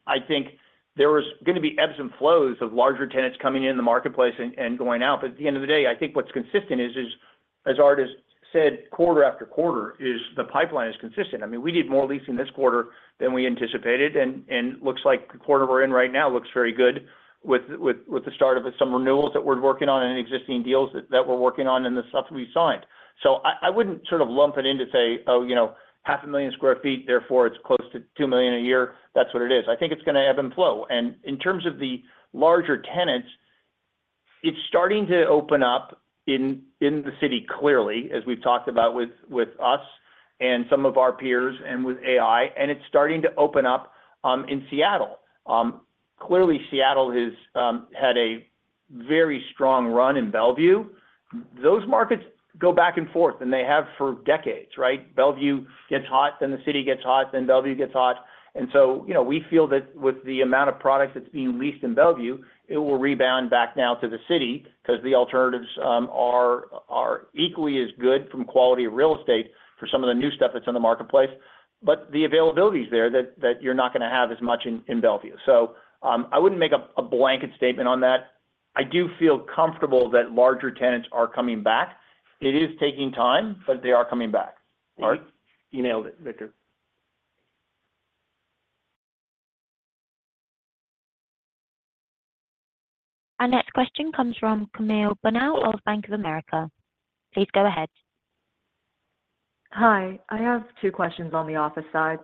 I think there is gonna be ebbs and flows of larger tenants coming in the marketplace and going out. But at the end of the day, I think what's consistent is, as Art has said, quarter after quarter, the pipeline is consistent. I mean, we did more leasing this quarter than we anticipated, and looks like the quarter we're in right now looks very good with the start of some renewals that we're working on and existing deals that we're working on and the stuff that we signed. So I wouldn't sort of lump it in to say, "Oh, you know, 500,000 sq ft, therefore, it's close to 2 million a year." That's what it is. I think it's gonna ebb and flow. And in terms of the larger tenants, it's starting to open up in the city, clearly, as we've talked about with us and some of our peers and with AI, and it's starting to open up in Seattle. Clearly, Seattle has had a very strong run in Bellevue. Those markets go back and forth, and they have for decades, right? Bellevue gets hot, then the city gets hot, then Bellevue gets hot. And so, you know, we feel that with the amount of product that's being leased in Bellevue, it will rebound back now to the city because the alternatives are equally as good from quality of real estate for some of the new stuff that's on the marketplace. But the availability is there that you're not gonna have as much in Bellevue. So, I wouldn't make a blanket statement on that. I do feel comfortable that larger tenants are coming back. It is taking time, but they are coming back. Art? You nailed it, Victor. Our next question comes from Camille Bonnel of Bank of America. Please go ahead. Hi. I have two questions on the office side.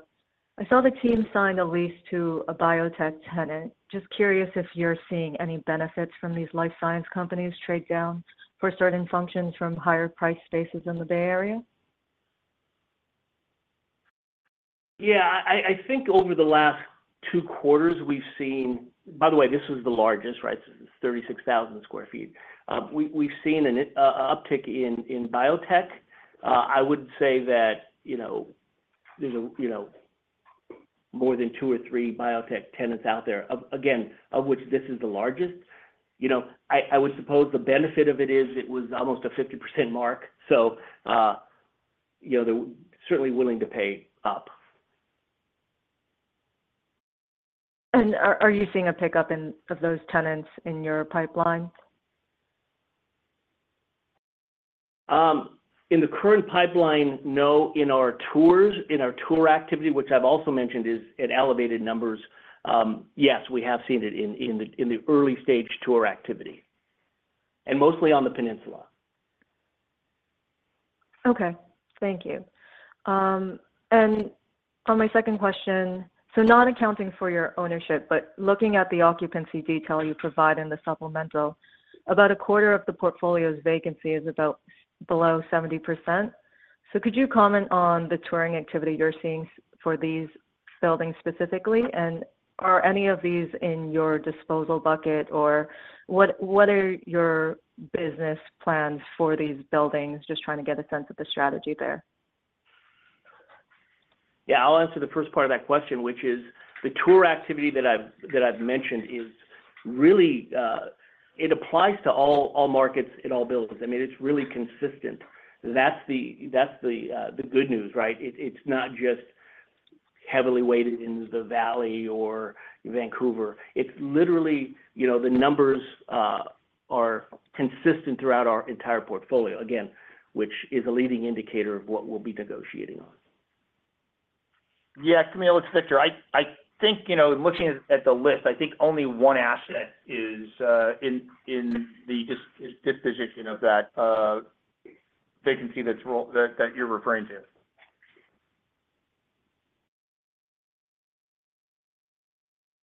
I saw the team sign a lease to a biotech tenant. Just curious if you're seeing any benefits from these life science companies trade down for certain functions from higher price spaces in the Bay Area? Yeah, I, I think over the last two quarters, we've seen... By the way, this is the largest, right? This is 36,000 sq ft. We, we've seen an uptick in biotech. I would say that, you know, there's a, you know, more than two or three biotech tenants out there, of, again, of which this is the largest. You know, I, I would suppose the benefit of it is it was almost a 50% mark, so, you know, they're certainly willing to pay up. Are you seeing a pickup in of those tenants in your pipeline? In the current pipeline, no. In our tours, in our tour activity, which I've also mentioned is at elevated numbers, yes, we have seen it in the early stage tour activity, and mostly on the peninsula. Okay. Thank you. For my second question, so not accounting for your ownership, but looking at the occupancy detail you provide in the supplemental, about a quarter of the portfolio's vacancy is about below 70%. So could you comment on the touring activity you're seeing for these buildings specifically? And are any of these in your disposal bucket, or what are your business plans for these buildings? Just trying to get a sense of the strategy there. Yeah, I'll answer the first part of that question, which is the tour activity that I've mentioned is really it applies to all markets in all buildings. I mean, it's really consistent. That's the good news, right? It's not just heavily weighted in the Valley or Vancouver. It's literally, you know, the numbers are consistent throughout our entire portfolio, again, which is a leading indicator of what we'll be negotiating on. Yeah, Camille, it's Victor. I think, you know, looking at the list, I think only one asset is in the disposition of that vacancy that you're referring to.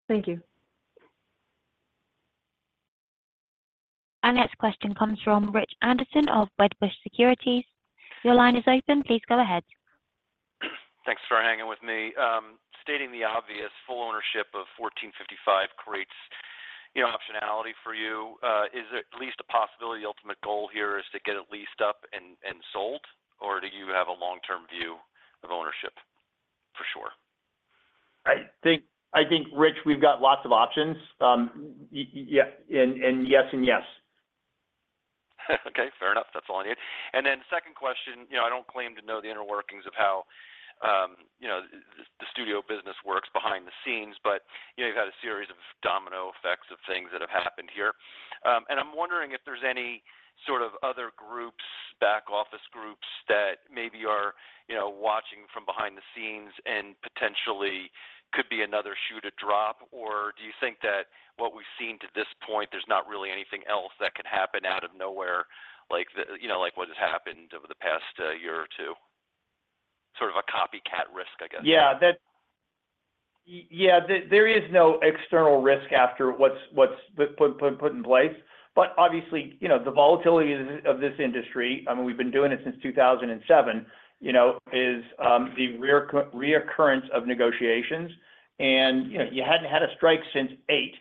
Thank you. Our next question comes from Rich Anderson of Wedbush Securities. Your line is open. Please go ahead. Thanks for hanging with me. Stating the obvious, full ownership of 1455 creates, you know, optionality for you. Is it at least a possibility ultimate goal here is to get it leased up and sold, or do you have a long-term view of ownership for sure? I think, Rich, we've got lots of options. Yeah, and yes. Okay, fair enough. That's all I need. And then second question, you know, I don't claim to know the inner workings of how, you know, the studio business works behind the scenes, but, you know, you've had a series of domino effects of things that have happened here. And I'm wondering if there's any sort of other groups, back office groups, that maybe are, you know, watching from behind the scenes and potentially could be another shoe to drop, or do you think that what we've seen to this point, there's not really anything else that could happen out of nowhere, like the... You know, like what has happened over the past, year or two? Sort of a copycat risk, I guess. Yeah, there is no external risk after what's put in place. But obviously, you know, the volatility of this industry, I mean, we've been doing it since 2007, you know, is the recurrence of negotiations. And, you know, you hadn't had a strike since 2008,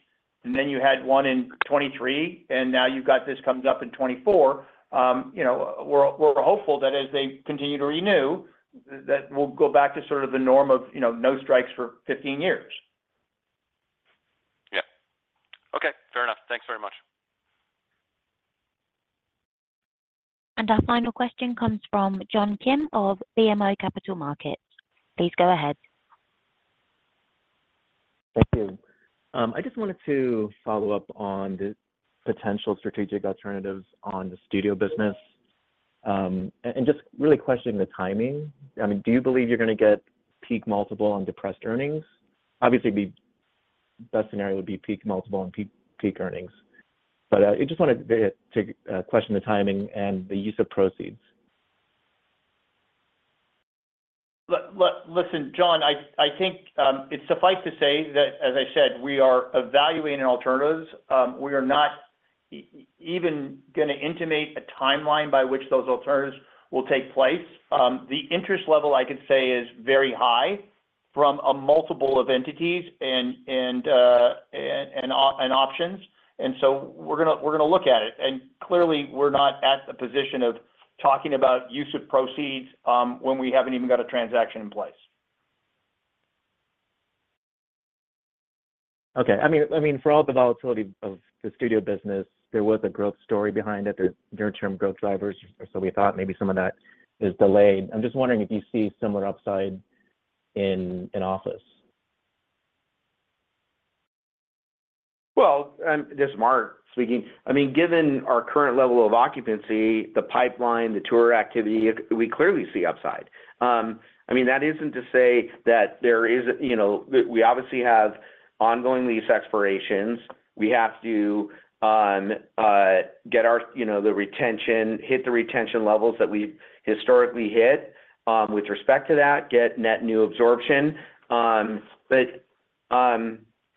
and then you had one in 2023, and now you've got this comes up in 2024. You know, we're hopeful that as they continue to renew, that we'll go back to sort of the norm of, you know, no strikes for 15 years. Yeah. Okay, fair enough. Thanks very much. Our final question comes from John Kim of BMO Capital Markets. Please go ahead. Thank you. I just wanted to follow up on the potential strategic alternatives on the studio business, and just really questioning the timing. I mean, do you believe you're gonna get peak multiple on depressed earnings? Obviously, best scenario would be peak multiple on peak, peak earnings. But, I just wanted to question the timing and the use of proceeds. Listen, John, I think it's suffice to say that, as I said, we are evaluating alternatives. We are not even gonna intimate a timeline by which those alternatives will take place. The interest level, I could say, is very high from a multiple of entities and options. And so we're gonna look at it. And clearly, we're not at a position of talking about use of proceeds when we haven't even got a transaction in place. Okay. I mean, for all the volatility of the studio business, there was a growth story behind it, the near-term growth drivers, or so we thought. Maybe some of that is delayed. I'm just wondering if you see similar upside in office. Well, this is Mark speaking. I mean, given our current level of occupancy, the pipeline, the tour activity, we clearly see upside. I mean, that isn't to say that there is, you know. We, we obviously have ongoing lease expirations. We have to get our, you know, the retention, hit the retention levels that we've historically hit, with respect to that, get net new absorption. But,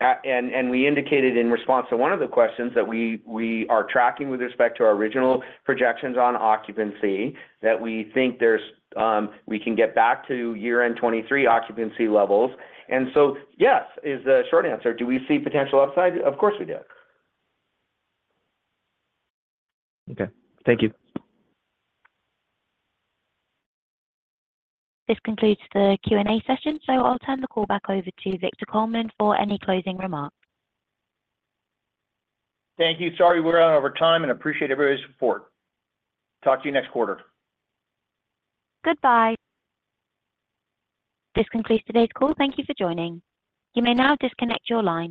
and we indicated in response to one of the questions that we, we are tracking with respect to our original projections on occupancy, that we think there's, we can get back to year-end 2023 occupancy levels. And so, yes, is the short answer. Do we see potential upside? Of course, we do. Okay. Thank you. This concludes the Q&A session, so I'll turn the call back over to Victor Coleman for any closing remarks. Thank you. Sorry, we're out over time and appreciate everybody's support. Talk to you next quarter. Goodbye. This concludes today's call. Thank you for joining. You may now disconnect your line.